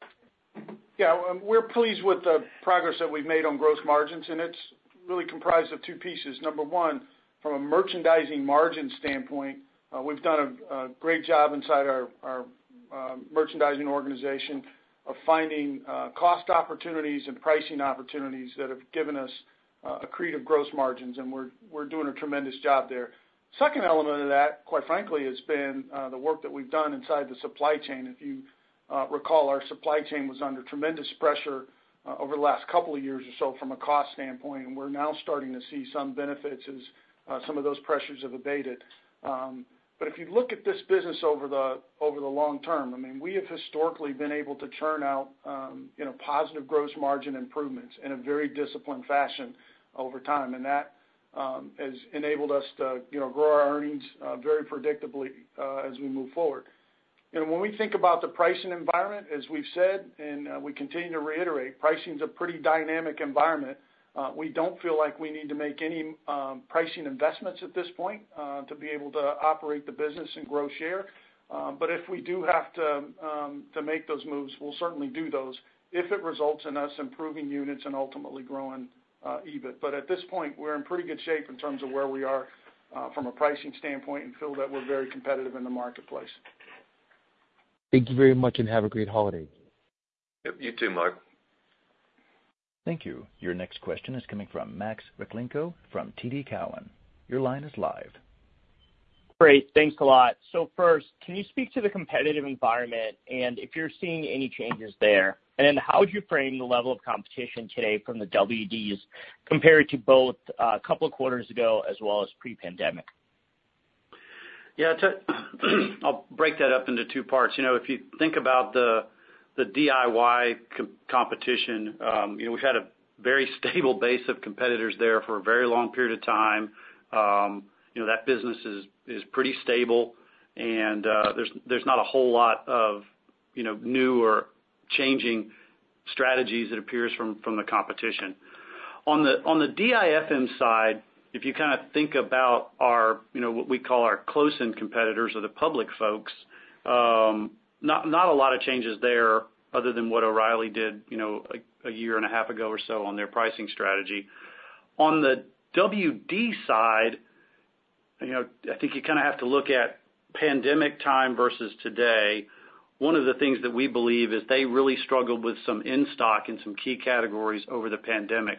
Yeah, we're pleased with the progress that we've made on gross margins, and it's really comprised of two pieces. Number one, from a merchandising margin standpoint, we've done a great job inside our merchandising organization of finding cost opportunities and pricing opportunities that have given us accretive gross margins, and we're doing a tremendous job there. Second element of that, quite frankly, has been the work that we've done inside the supply chain. If you recall, our supply chain was under tremendous pressure over the last couple of years or so from a cost standpoint, and we're now starting to see some benefits as some of those pressures have abated. But if you look at this business over the long term, I mean, we have historically been able to churn out, you know, positive gross margin improvements in a very disciplined fashion over time, and that has enabled us to, you know, grow our earnings very predictably as we move forward. And when we think about the pricing environment, as we've said, and we continue to reiterate, pricing's a pretty dynamic environment. We don't feel like we need to make any pricing investments at this point to be able to operate the business and grow share. But if we do have to make those moves, we'll certainly do those if it results in us improving units and ultimately growing EBIT. But at this point, we're in pretty good shape in terms of where we are from a pricing standpoint, and feel that we're very competitive in the marketplace. Thank you very much, and have a great holiday. Yep, you too, Mike. Thank you. Your next question is coming from Max Rakhlenko from TD Cowen. Your line is live. Great. Thanks a lot. So first, can you speak to the competitive environment and if you're seeing any changes there? And how would you frame the level of competition today from the WDs compared to both, a couple of quarters ago as well as pre-pandemic? Yeah, I'll break that up into two parts. You know, if you think about the DIY competition, you know, we've had a very stable base of competitors there for a very long period of time. You know, that business is pretty stable, and there's not a whole lot of, you know, new or changing strategies it appears from the competition. On the DIFM side, if you kind of think about our, you know, what we call our close-in competitors or the public folks, not a lot of changes there other than what O'Reilly did, you know, a year and a half ago or so on their pricing strategy. On the WD side, you know, I think you kind of have to look at pandemic time versus today. One of the things that we believe is they really struggled with some in-stock in some key categories over the pandemic.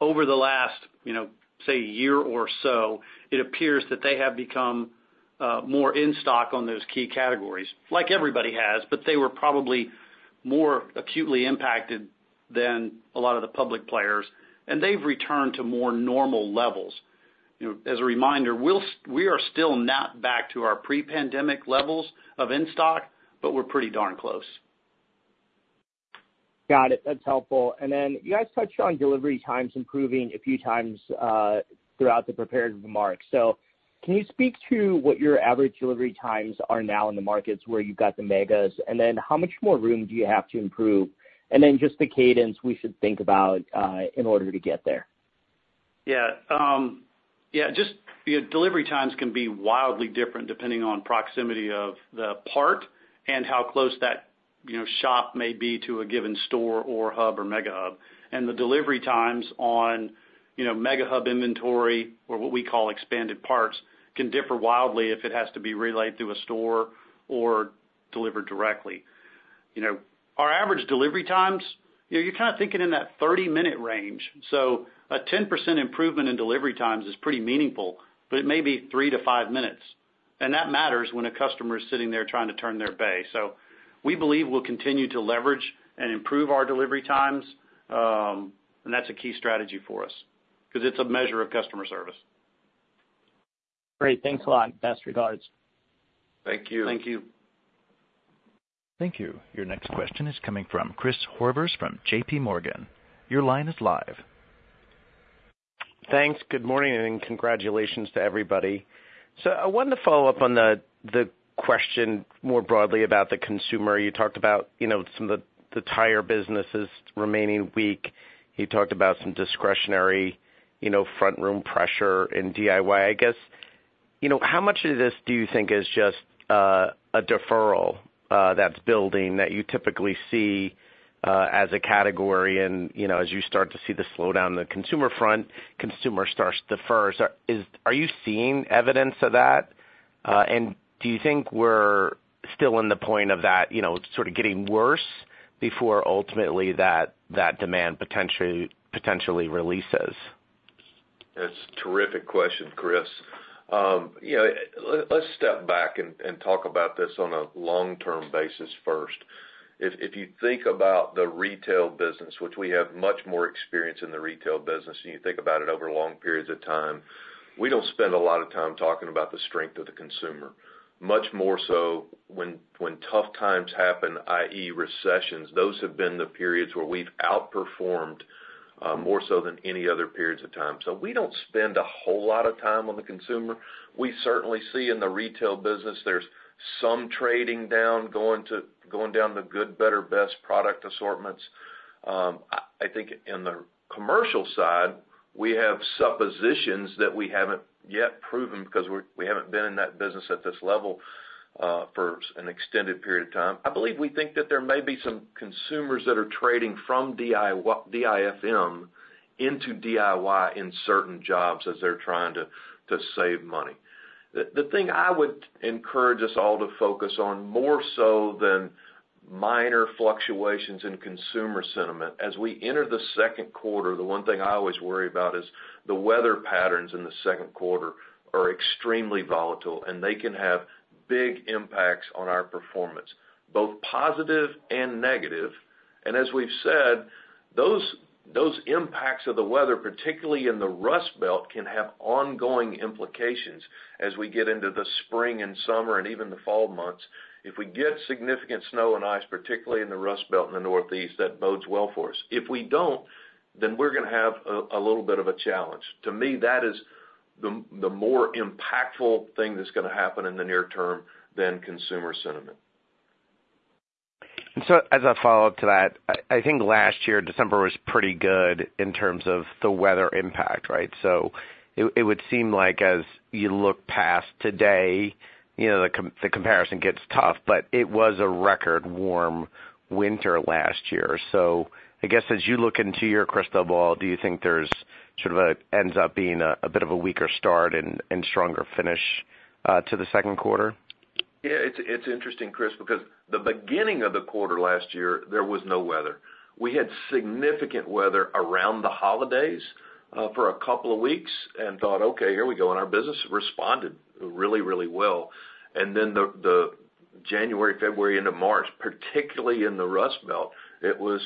Over the last, you know, say, year or so, it appears that they have become more in stock on those key categories, like everybody has, but they were probably more acutely impacted than a lot of the public players, and they've returned to more normal levels. You know, as a reminder, we are still not back to our pre-pandemic levels of in-stock, but we're pretty darn close. Got it. That's helpful. And then you guys touched on delivery times improving a few times throughout the prepared remarks. So can you speak to what your average delivery times are now in the markets where you've got the megas? And then how much more room do you have to improve? And then just the cadence we should think about in order to get there. Yeah, just, you know, delivery times can be wildly different depending on proximity of the part and how close that, you know, shop may be to a given store or Hub or Mega Hub. And the delivery times on, you know, Mega Hub inventory, or what we call expanded parts, can differ wildly if it has to be relayed through a store or delivered directly. You know, our average delivery times, you know, you're kind of thinking in that 30-minute range. So a 10% improvement in delivery times is pretty meaningful, but it may be three-five minutes, and that matters when a customer is sitting there trying to turn their bay. So we believe we'll continue to leverage and improve our delivery times, and that's a key strategy for us 'cause it's a measure of customer service. Great. Thanks a lot. Best regards. Thank you. Thank you. Thank you. Your next question is coming from Chris Horvers from JPMorgan. Your line is live. Thanks. Good morning, and congratulations to everybody. So I wanted to follow up on the question more broadly about the consumer. You talked about, you know, some of the tire businesses remaining weak. You talked about some discretionary, you know, front room pressure in DIY. I guess, you know, how much of this do you think is just a deferral that's building that you typically see as a category and, you know, as you start to see the slowdown in the consumer front, consumer starts to defer? So, are you seeing evidence of that? And do you think we're still in the point of that, you know, sort of getting worse before ultimately that demand potentially releases? That's a terrific question, Chris. You know, let's step back and talk about this on a long-term basis first. If you think about the retail business, which we have much more experience in the retail business, and you think about it over long periods of time, we don't spend a lot of time talking about the strength of the consumer. Much more so when tough times happen, i.e., recessions, those have been the periods where we've outperformed more so than any other periods of time. So we don't spend a whole lot of time on the consumer. We certainly see in the retail business there's some trading down, going down to good, better, best product assortments. I think in the commercial side, we have suppositions that we haven't yet proven because we haven't been in that business at this level for an extended period of time. I believe we think that there may be some consumers that are trading from DIFM into DIY in certain jobs as they're trying to save money. The thing I would encourage us all to focus on, more so than minor fluctuations in consumer sentiment, as we enter the second quarter, the one thing I always worry about is the weather patterns in the second quarter are extremely volatile, and they can have big impacts on our performance, both positive and negative. And as we've said, those impacts of the weather, particularly in the Rust Belt, can have ongoing implications as we get into the spring and summer and even the fall months. If we get significant snow and ice, particularly in the Rust Belt in the Northeast, that bodes well for us. If we don't, then we're gonna have a, a little bit of a challenge. To me, that is the, the more impactful thing that's gonna happen in the near term than consumer sentiment. And so as a follow-up to that, I think last year, December was pretty good in terms of the weather impact, right? So it would seem like as you look past today, you know, the comparison gets tough, but it was a record warm winter last year. So I guess as you look into your crystal ball, do you think there's sort of a ends up being a bit of a weaker start and stronger finish to the second quarter? Yeah, it's interesting, Chris, because the beginning of the quarter last year, there was no weather. We had significant weather around the holidays for a couple of weeks and thought, "Okay, here we go," and our business responded really, really well. Then the January, February into March, particularly in the Rust Belt, it was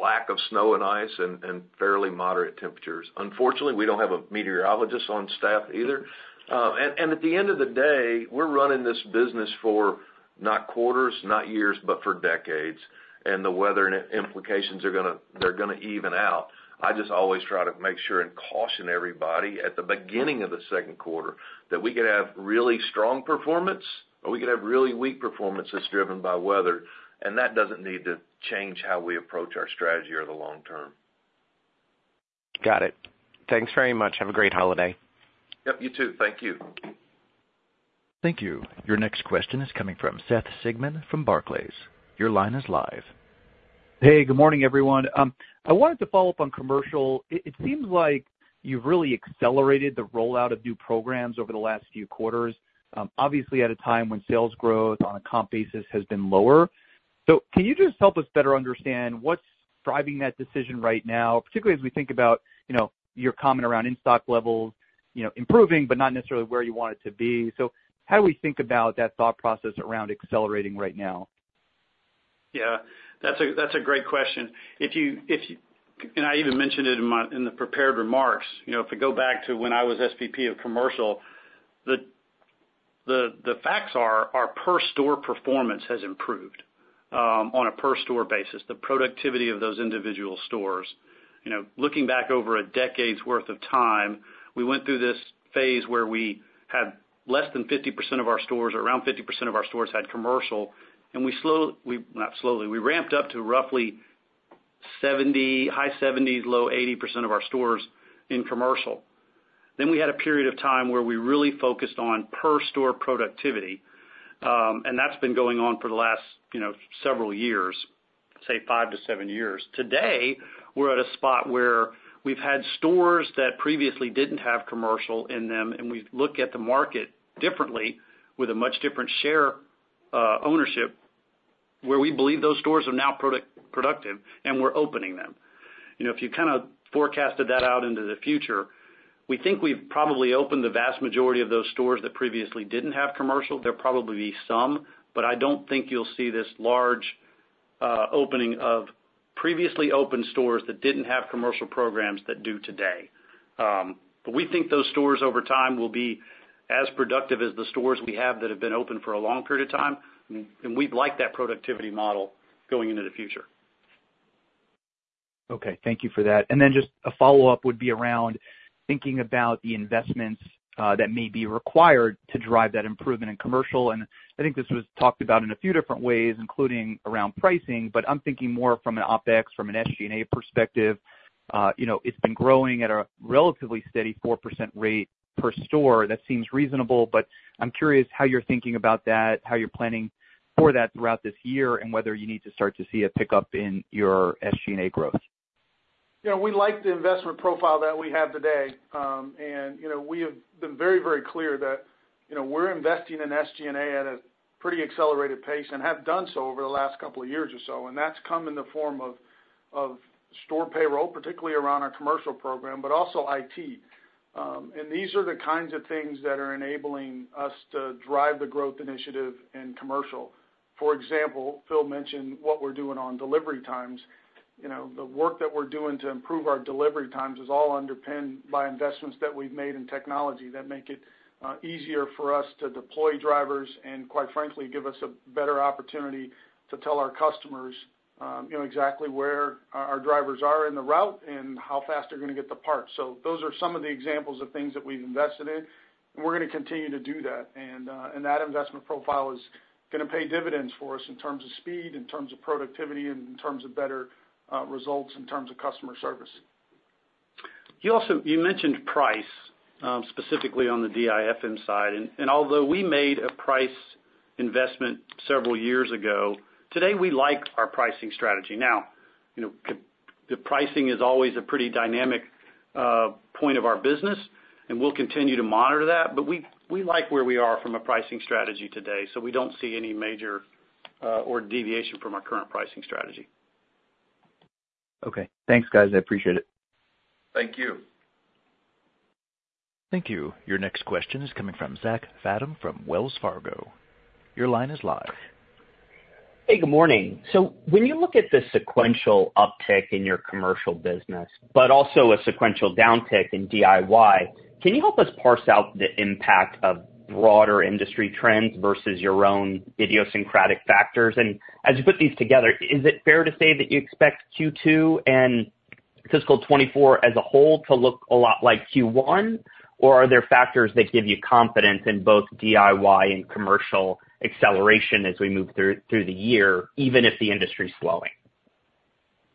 lack of snow and ice and fairly moderate temperatures. Unfortunately, we don't have a meteorologist on staff either. And at the end of the day, we're running this business for not quarters, not years, but for decades, and the weather and implications are gonna—they're gonna even out. I just always try to make sure and caution everybody at the beginning of the second quarter that we could have really strong performance, or we could have really weak performances driven by weather, and that doesn't need to change how we approach our strategy or the long term. Got it. Thanks very much. Have a great holiday. Yep, you too. Thank you. Thank you. Your next question is coming from Seth Sigman from Barclays. Your line is live. Hey, good morning, everyone. I wanted to follow up on commercial. It seems like you've really accelerated the rollout of new programs over the last few quarters, obviously, at a time when sales growth on a comp basis has been lower. So can you just help us better understand what's driving that decision right now, particularly as we think about, you know, your comment around in-stock levels, you know, improving, but not necessarily where you want it to be? How do we think about that thought process around accelerating right now? Yeah, that's a great question. If – and I even mentioned it in my, in the prepared remarks. You know, if we go back to when I was SVP of Commercial, the facts are, our per store performance has improved, on a per store basis, the productivity of those individual stores. You know, looking back over a decade's worth of time, we went through this phase where we had less than 50% of our stores, or around 50% of our stores had commercial, and we, not slowly, we ramped up to roughly 70%, high 70s, low 80%s of our stores in commercial. Then we had a period of time where we really focused on per store productivity, and that's been going on for the last, you know, several years, say five to seven years. Today, we're at a spot where we've had stores that previously didn't have commercial in them, and we look at the market differently with a much different share ownership, where we believe those stores are now productive, and we're opening them. You know, if you kind of forecasted that out into the future, we think we've probably opened the vast majority of those stores that previously didn't have commercial. There'll probably be some, but I don't think you'll see this large opening of previously opened stores that didn't have commercial programs that do today. But we think those stores over time will be as productive as the stores we have that have been open for a long period of time, and we'd like that productivity model going into the future. Okay. Thank you for that. And then just a follow-up would be around thinking about the investments that may be required to drive that improvement in commercial, and I think this was talked about in a few different ways, including around pricing, but I'm thinking more from an OpEx, from an SG&A perspective. You know, it's been growing at a relatively steady 4% rate per store. That seems reasonable, but I'm curious how you're thinking about that, how you're planning for that throughout this year, and whether you need to start to see a pickup in your SG&A growth. You know, we like the investment profile that we have today. And, you know, we have been very, very clear that, you know, we're investing in SG&A at a pretty accelerated pace and have done so over the last couple of years or so, and that's come in the form of, of store payroll, particularly around our commercial program, but also IT. And these are the kinds of things that are enabling us to drive the growth initiative in commercial. For example, Phil mentioned what we're doing on delivery times. You know, the work that we're doing to improve our delivery times is all underpinned by investments that we've made in technology that make it easier for us to deploy drivers, and quite frankly, give us a better opportunity to tell our customers, you know, exactly where our, our drivers are in the route and how fast they're gonna get the parts. So those are some of the examples of things that we've invested in, and we're gonna continue to do that. And that investment profile is gonna pay dividends for us in terms of speed, in terms of productivity, and in terms of better results, in terms of customer service. You also mentioned price, specifically on the DIFM side. And although we made a price investment several years ago, today, we like our pricing strategy. Now, you know, the pricing is always a pretty dynamic point of our business, and we'll continue to monitor that, but we like where we are from a pricing strategy today, so we don't see any major or deviation from our current pricing strategy. Okay. Thanks, guys. I appreciate it. Thank you. Thank you. Your next question is coming from Zach Fadem from Wells Fargo. Your line is live. Hey, good morning. So when you look at the sequential uptick in your commercial business, but also a sequential downtick in DIY, can you help us parse out the impact of broader industry trends versus your own idiosyncratic factors? And as you put these together, is it fair to say that you expect Q2 and fiscal 2024 as a whole to look a lot like Q1? Or are there factors that give you confidence in both DIY and commercial acceleration as we move through the year, even if the industry is slowing?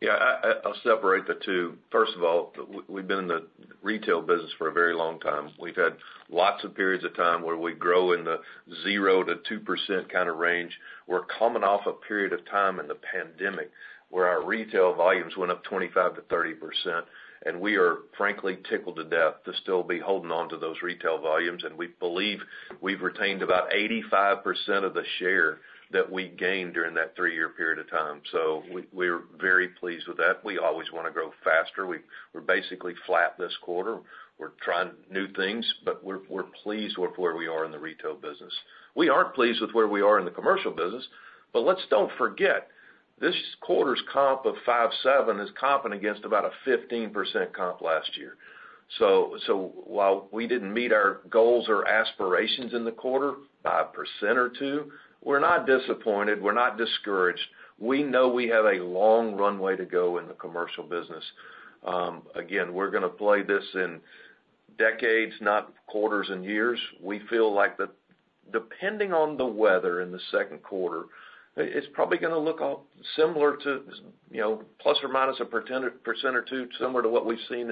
Yeah, I'll separate the two. First of all, we've been in the retail business for a very long time. We've had lots of periods of time where we grow in the 0%-2% kind of range. We're coming off a period of time in the pandemic where our retail volumes went up 25%-30%, and we are frankly tickled to death to still be holding on to those retail volumes. And we believe we've retained about 85% of the share that we gained during that three-year period of time. So we're very pleased with that. We always want to grow faster. We're basically flat this quarter. We're trying new things, but we're pleased with where we are in the retail business. We aren't pleased with where we are in the commercial business, but let's don't forget, this quarter's comp of 5.7% is comping against about a 15% comp last year. So, so while we didn't meet our goals or aspirations in the quarter, 5% or 2%, we're not disappointed. We're not discouraged. We know we have a long runway to go in the commercial business. Again, we're going to play this in decades, not quarters and years. We feel like the depending on the weather in the second quarter, it's probably going to look all similar to, you know, plus or minus a 10% or 2%, similar to what we've seen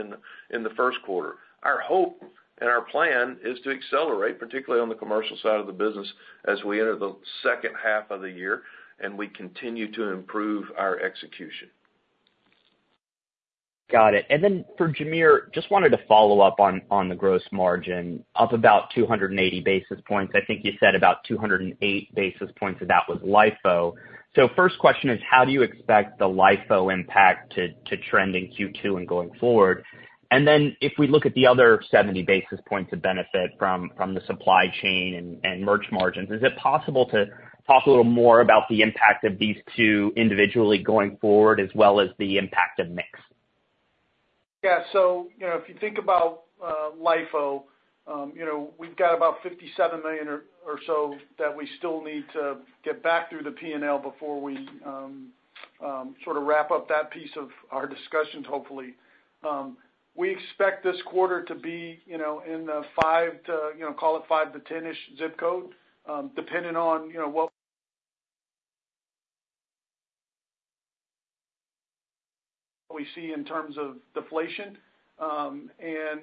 in the first quarter. Our hope and our plan is to accelerate, particularly on the commercial side of the business, as we enter the second half of the year and we continue to improve our execution. Got it. And then for Jamere, just wanted to follow up on, on the gross margin, up about 280 basis points. I think you said about 208 basis points of that was LIFO. So first question is, how do you expect the LIFO impact to, to trend in Q2 and going forward? And then if we look at the other 70 basis points of benefit from, from the supply chain and, and merch margins, is it possible to talk a little more about the impact of these two individually going forward, as well as the impact of mix? Yeah. So you know, if you think about LIFO, you know, we've got about $57 million or so that we still need to get back through the P&L before we sort of wrap up that piece of our discussions, hopefully. We expect this quarter to be, you know, in the $5 million-$10 million-ish zip code, depending on, you know, what we see in terms of deflation. And,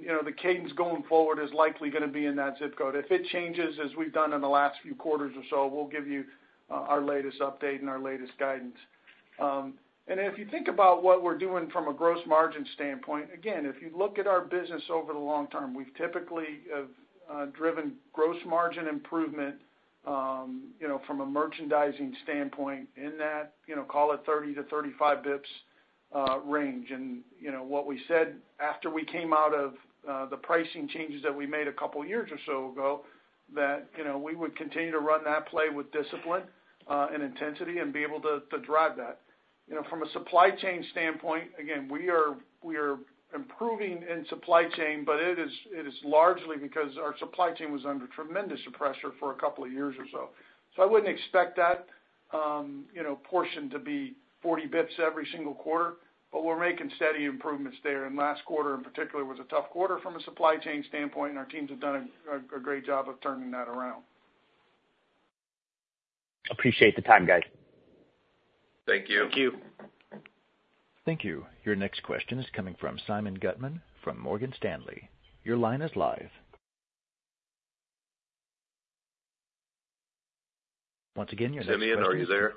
you know, the cadence going forward is likely going to be in that zip code. If it changes, as we've done in the last few quarters or so, we'll give you our latest update and our latest guidance. And if you think about what we're doing from a gross margin standpoint, again, if you look at our business over the long term, we've typically driven gross margin improvement, you know, from a merchandising standpoint in that, you know, call it 30-35 basis points range. And, you know, what we said after we came out of the pricing changes that we made a couple of years or so ago, that, you know, we would continue to run that play with discipline and intensity and be able to drive that. You know, from a supply chain standpoint, again, we are improving in supply chain, but it is largely because our supply chain was under tremendous pressure for a couple of years or so. So I wouldn't expect that, you know, portion to be 40 basis points every single quarter, but we're making steady improvements there. And last quarter, in particular, was a tough quarter from a supply chain standpoint, and our teams have done a great job of turning that around. Appreciate the time, guys. Thank you. Thank you. Thank you. Your next question is coming from Simeon Gutman from Morgan Stanley. Your line is live. Once again, your next-- Simeon, are you there?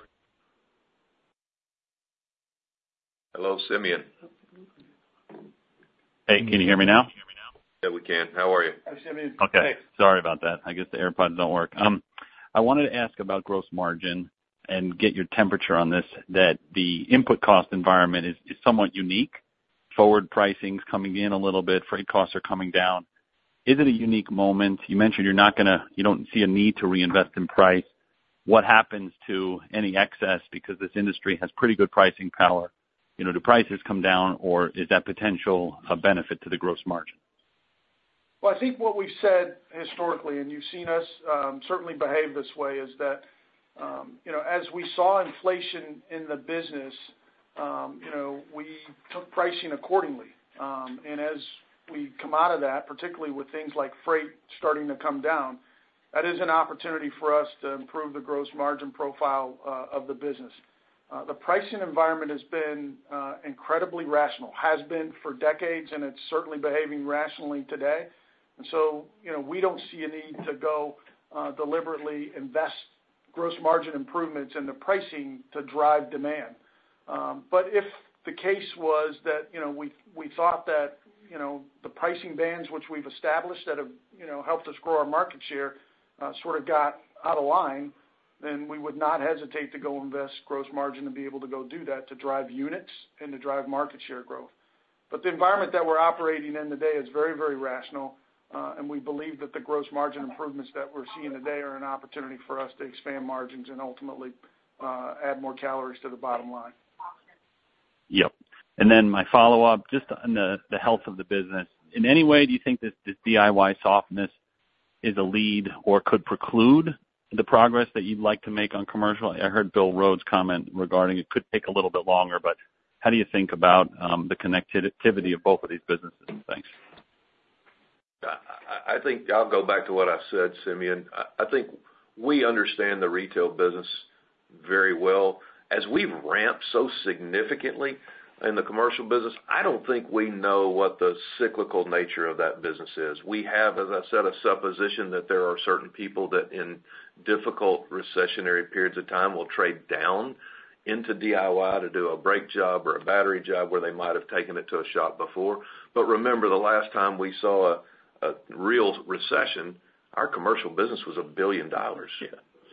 Hello, Simeon. Hey, can you hear me now? Yeah, we can. How are you? Hi, Simeon. Okay, sorry about that. I guess the AirPods don't work. I wanted to ask about gross margin and get your temperature on this, that the input cost environment is, is somewhat unique. Forward pricing is coming in a little bit, freight costs are coming down. Is it a unique moment? You mentioned you're not going to-- you don't see a need to reinvest in price. What happens to any excess? Because this industry has pretty good pricing power. You know, do prices come down, or is that potential a benefit to the gross margin? Well, I think what we've said historically, and you've seen us, certainly behave this way, is that, you know, as we saw inflation in the business, you know, we took pricing accordingly. And as we come out of that, particularly with things like freight starting to come down, that is an opportunity for us to improve the gross margin profile, of the business. The pricing environment has been, incredibly rational, has been for decades, and it's certainly behaving rationally today. And so, you know, we don't see a need to go, deliberately invest gross margin improvements in the pricing to drive demand. But if the case was that, you know, we thought that, you know, the pricing bands which we've established that have, you know, helped us grow our market share, sort of got out of line, then we would not hesitate to go invest gross margin to be able to go do that, to drive units and to drive market share growth. But the environment that we're operating in today is very, very rational, and we believe that the gross margin improvements that we're seeing today are an opportunity for us to expand margins and ultimately, add more calories to the bottom line. Yep. And then my follow-up, just on the health of the business. In any way, do you think that this DIY softness is a lead or could preclude the progress that you'd like to make on commercial? I heard Bill Rhodes comment regarding it could take a little bit longer, but how do you think about the connectivity of both of these businesses? Thanks. I think I'll go back to what I said, Simeon. I think we understand the retail business very well. As we've ramped so significantly in the commercial business, I don't think we know what the cyclical nature of that business is. We have, as I said, a supposition that there are certain people that in difficult recessionary periods of time, will trade down into DIY to do a brake job or a battery job where they might have taken it to a shop before. But remember the last time we saw a real recession, our commercial business was $1 billion. Yeah.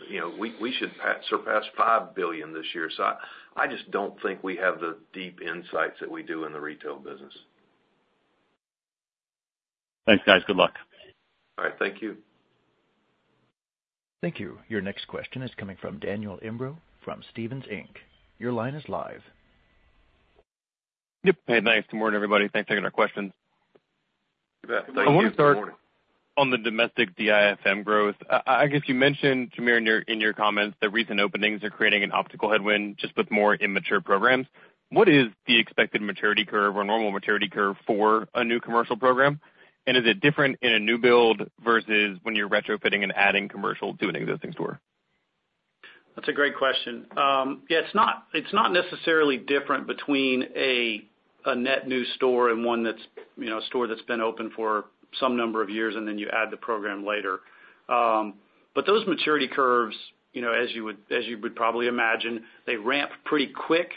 You know, we should surpass $5 billion this year. So I just don't think we have the deep insights that we do in the retail business. Thanks, guys. Good luck. All right, thank you. Thank you. Your next question is coming from Daniel Imbro from Stephens Inc. Your line is live. Yep. Hey, nice. Good morning, everybody, thanks for taking our questions. Yeah, thank you. Good morning. I want to start on the domestic DIFM growth. I guess you mentioned, Jamere, in your comments, the recent openings are creating an optical headwind just with more immature programs. What is the expected maturity curve or normal maturity curve for a new commercial program? And is it different in a new build versus when you're retrofitting and adding commercial to an existing store? That's a great question. Yeah, it's not, it's not necessarily different between a, a net new store and one that's, you know, a store that's been open for some number of years, and then you add the program later. But those maturity curves, you know, as you would, as you would probably imagine, they ramp pretty quick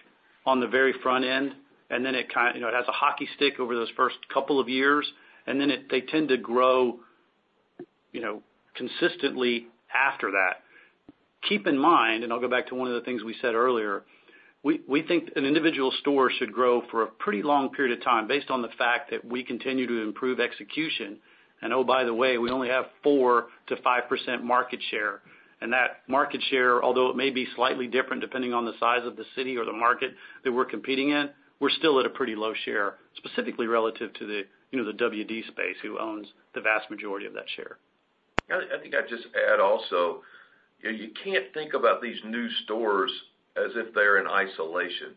on the very front end, and then you know, it has a hockey stick over those first couple of years, and then they tend to grow, you know, consistently after that. Keep in mind, and I'll go back to one of the things we said earlier, we, we think an individual store should grow for a pretty long period of time, based on the fact that we continue to improve execution. And oh, by the way, we only have 4%-5% market share. That market share, although it may be slightly different, depending on the size of the city or the market that we're competing in, we're still at a pretty low share, specifically relative to the, you know, the WD space, who owns the vast majority of that share. I think I'd just add also, you can't think about these new stores as if they're in isolation.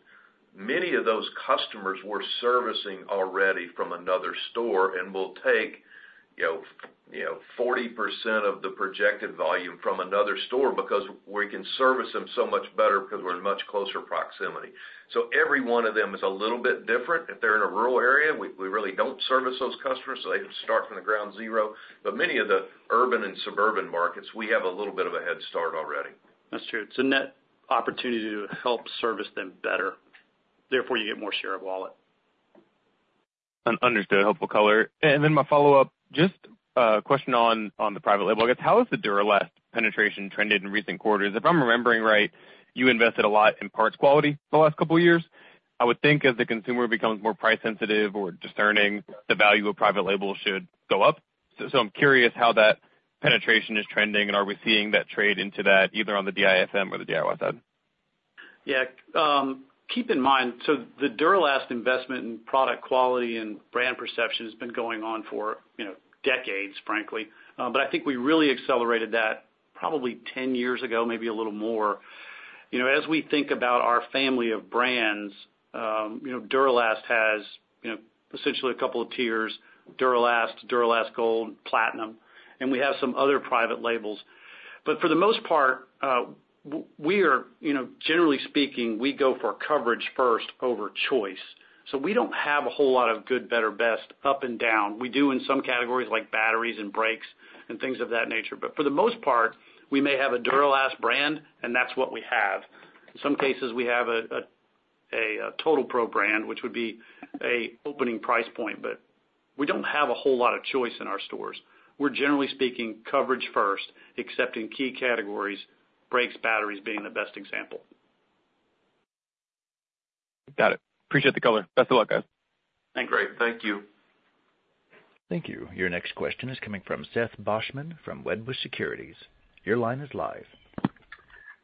Many of those customers we're servicing already from another store and will take, you know, you know, 40% of the projected volume from another store because we can service them so much better because we're in much closer proximity. So every one of them is a little bit different. If they're in a rural area, we really don't service those customers, so they start from the ground zero. But many of the urban and suburban markets, we have a little bit of a head start already. That's true. It's a net opportunity to help service them better. Therefore, you get more share of wallet. Understood. Helpful color. And then my follow-up, just a question on, on the private label, I guess. How has the Duralast penetration trended in recent quarters? If I'm remembering right, you invested a lot in parts quality the last couple of years. I would think as the consumer becomes more price sensitive or discerning, the value of private label should go up. So I'm curious how that penetration is trending, and are we seeing that trade into that, either on the DIFM or the DIY side? Yeah, keep in mind, so the Duralast investment in product quality and brand perception has been going on for, you know, decades, frankly. But I think we really accelerated that probably 10 years ago, maybe a little more. You know, as we think about our family of brands, you know, Duralast has, you know, essentially a couple of tiers: Duralast, Duralast Gold, Platinum, and we have some other private labels. But for the most part, we are, you know, generally speaking, we go for coverage first over choice. So we don't have a whole lot of good, better, best, up and down. We do in some categories like batteries and brakes and things of that nature. But for the most part, we may have a Duralast brand, and that's what we have. In some cases, we have a TotalPro brand, which would be a opening price point, but we don't have a whole lot of choice in our stores. We're, generally speaking, coverage first, except in key categories, brakes, batteries being the best example. Got it. Appreciate the color. Best of luck, guys. Great. Thank you. Thank you. Your next question is coming from Seth Basham from Wedbush Securities. Your line is live.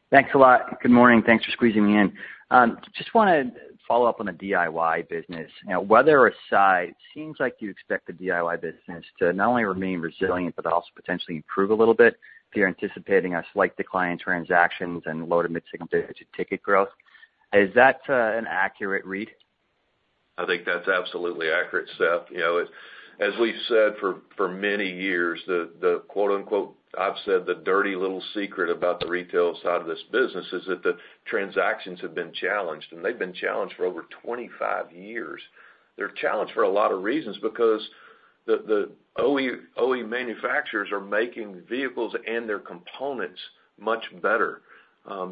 Thanks a lot. Good morning. Thanks for squeezing me in. Just wanted to follow up on the DIY business. You know, weather aside, it seems like you expect the DIY business to not only remain resilient but also potentially improve a little bit if you're anticipating a slight decline in transactions and low to mid-single digit ticket growth. Is that an accurate read? I think that's absolutely accurate, Seth. You know, as we've said for many years, the quote-unquote, I've said, "The dirty little secret about the retail side of this business is that the transactions have been challenged," and they've been challenged for over 25 years. They're challenged for a lot of reasons, because the OE manufacturers are making vehicles and their components much better.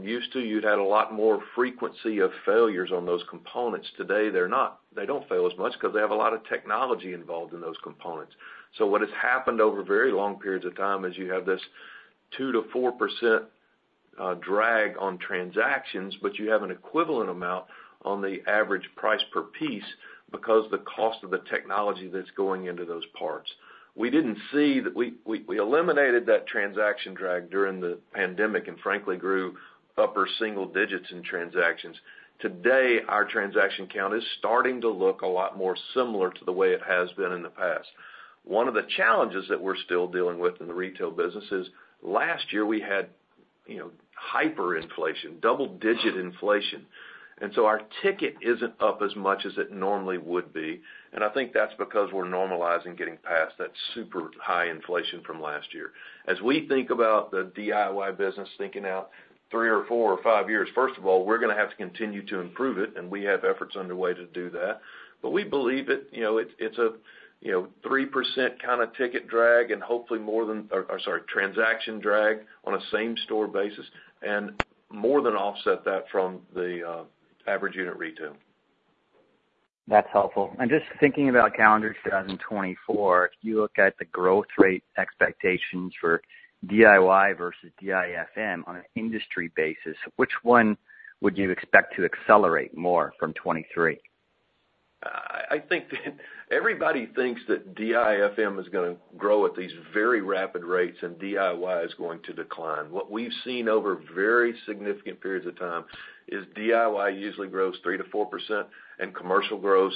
Used to, you'd had a lot more frequency of failures on those components. Today, they're not. They don't fail as much because they have a lot of technology involved in those components. So what has happened over very long periods of time is you have this 2%-4% drag on transactions, but you have an equivalent amount on the average price per piece because the cost of the technology that's going into those parts. We eliminated that transaction drag during the pandemic and frankly, grew upper single digits in transactions. Today, our transaction count is starting to look a lot more similar to the way it has been in the past. One of the challenges that we're still dealing with in the retail business is, last year we had, you know, hyperinflation, double-digit inflation. And so our ticket isn't up as much as it normally would be, and I think that's because we're normalizing getting past that super high inflation from last year. As we think about the DIY business, thinking out three or four or five years, first of all, we're gonna have to continue to improve it, and we have efforts underway to do that. But we believe, you know, it's a, you know, 3% kind of ticket drag and hopefully more than—or, or sorry, transaction drag on a same-store basis, and more than offset that from the average unit retail. That's helpful. Just thinking about calendar 2024, if you look at the growth rate expectations for DIY versus DIFM on an industry basis, which one would you expect to accelerate more from 2023? I think that everybody thinks that DIFM is gonna grow at these very rapid rates and DIY is going to decline. What we've seen over very significant periods of time is DIY usually grows 3% to 4%, and commercial grows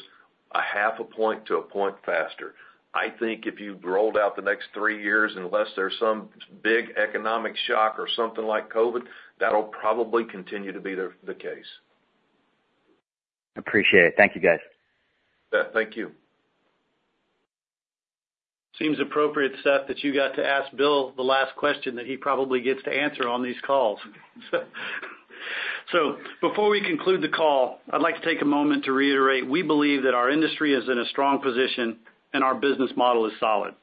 a half a point to a point faster. I think if you rolled out the next three years, unless there's some big economic shock or something like COVID, that'll probably continue to be the case. Appreciate it. Thank you, guys. Yeah, thank you. Seems appropriate, Seth, that you got to ask Bill the last question that he probably gets to answer on these calls. So before we conclude the call, I'd like to take a moment to reiterate, we believe that our industry is in a strong position, and our business model is solid.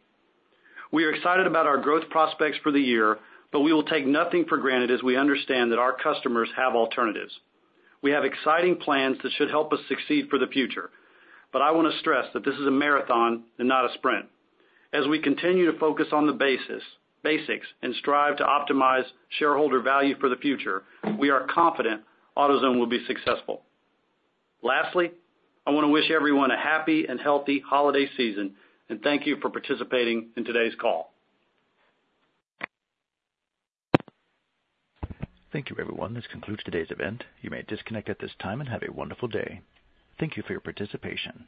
We are excited about our growth prospects for the year, but we will take nothing for granted as we understand that our customers have alternatives. We have exciting plans that should help us succeed for the future, but I wanna stress that this is a marathon and not a sprint. As we continue to focus on the basics and strive to optimize shareholder value for the future, we are confident AutoZone will be successful. Lastly, I wanna wish everyone a happy and healthy holiday season, and thank you for participating in today's call. Thank you, everyone. This concludes today's event. You may disconnect at this time and have a wonderful day. Thank you for your participation.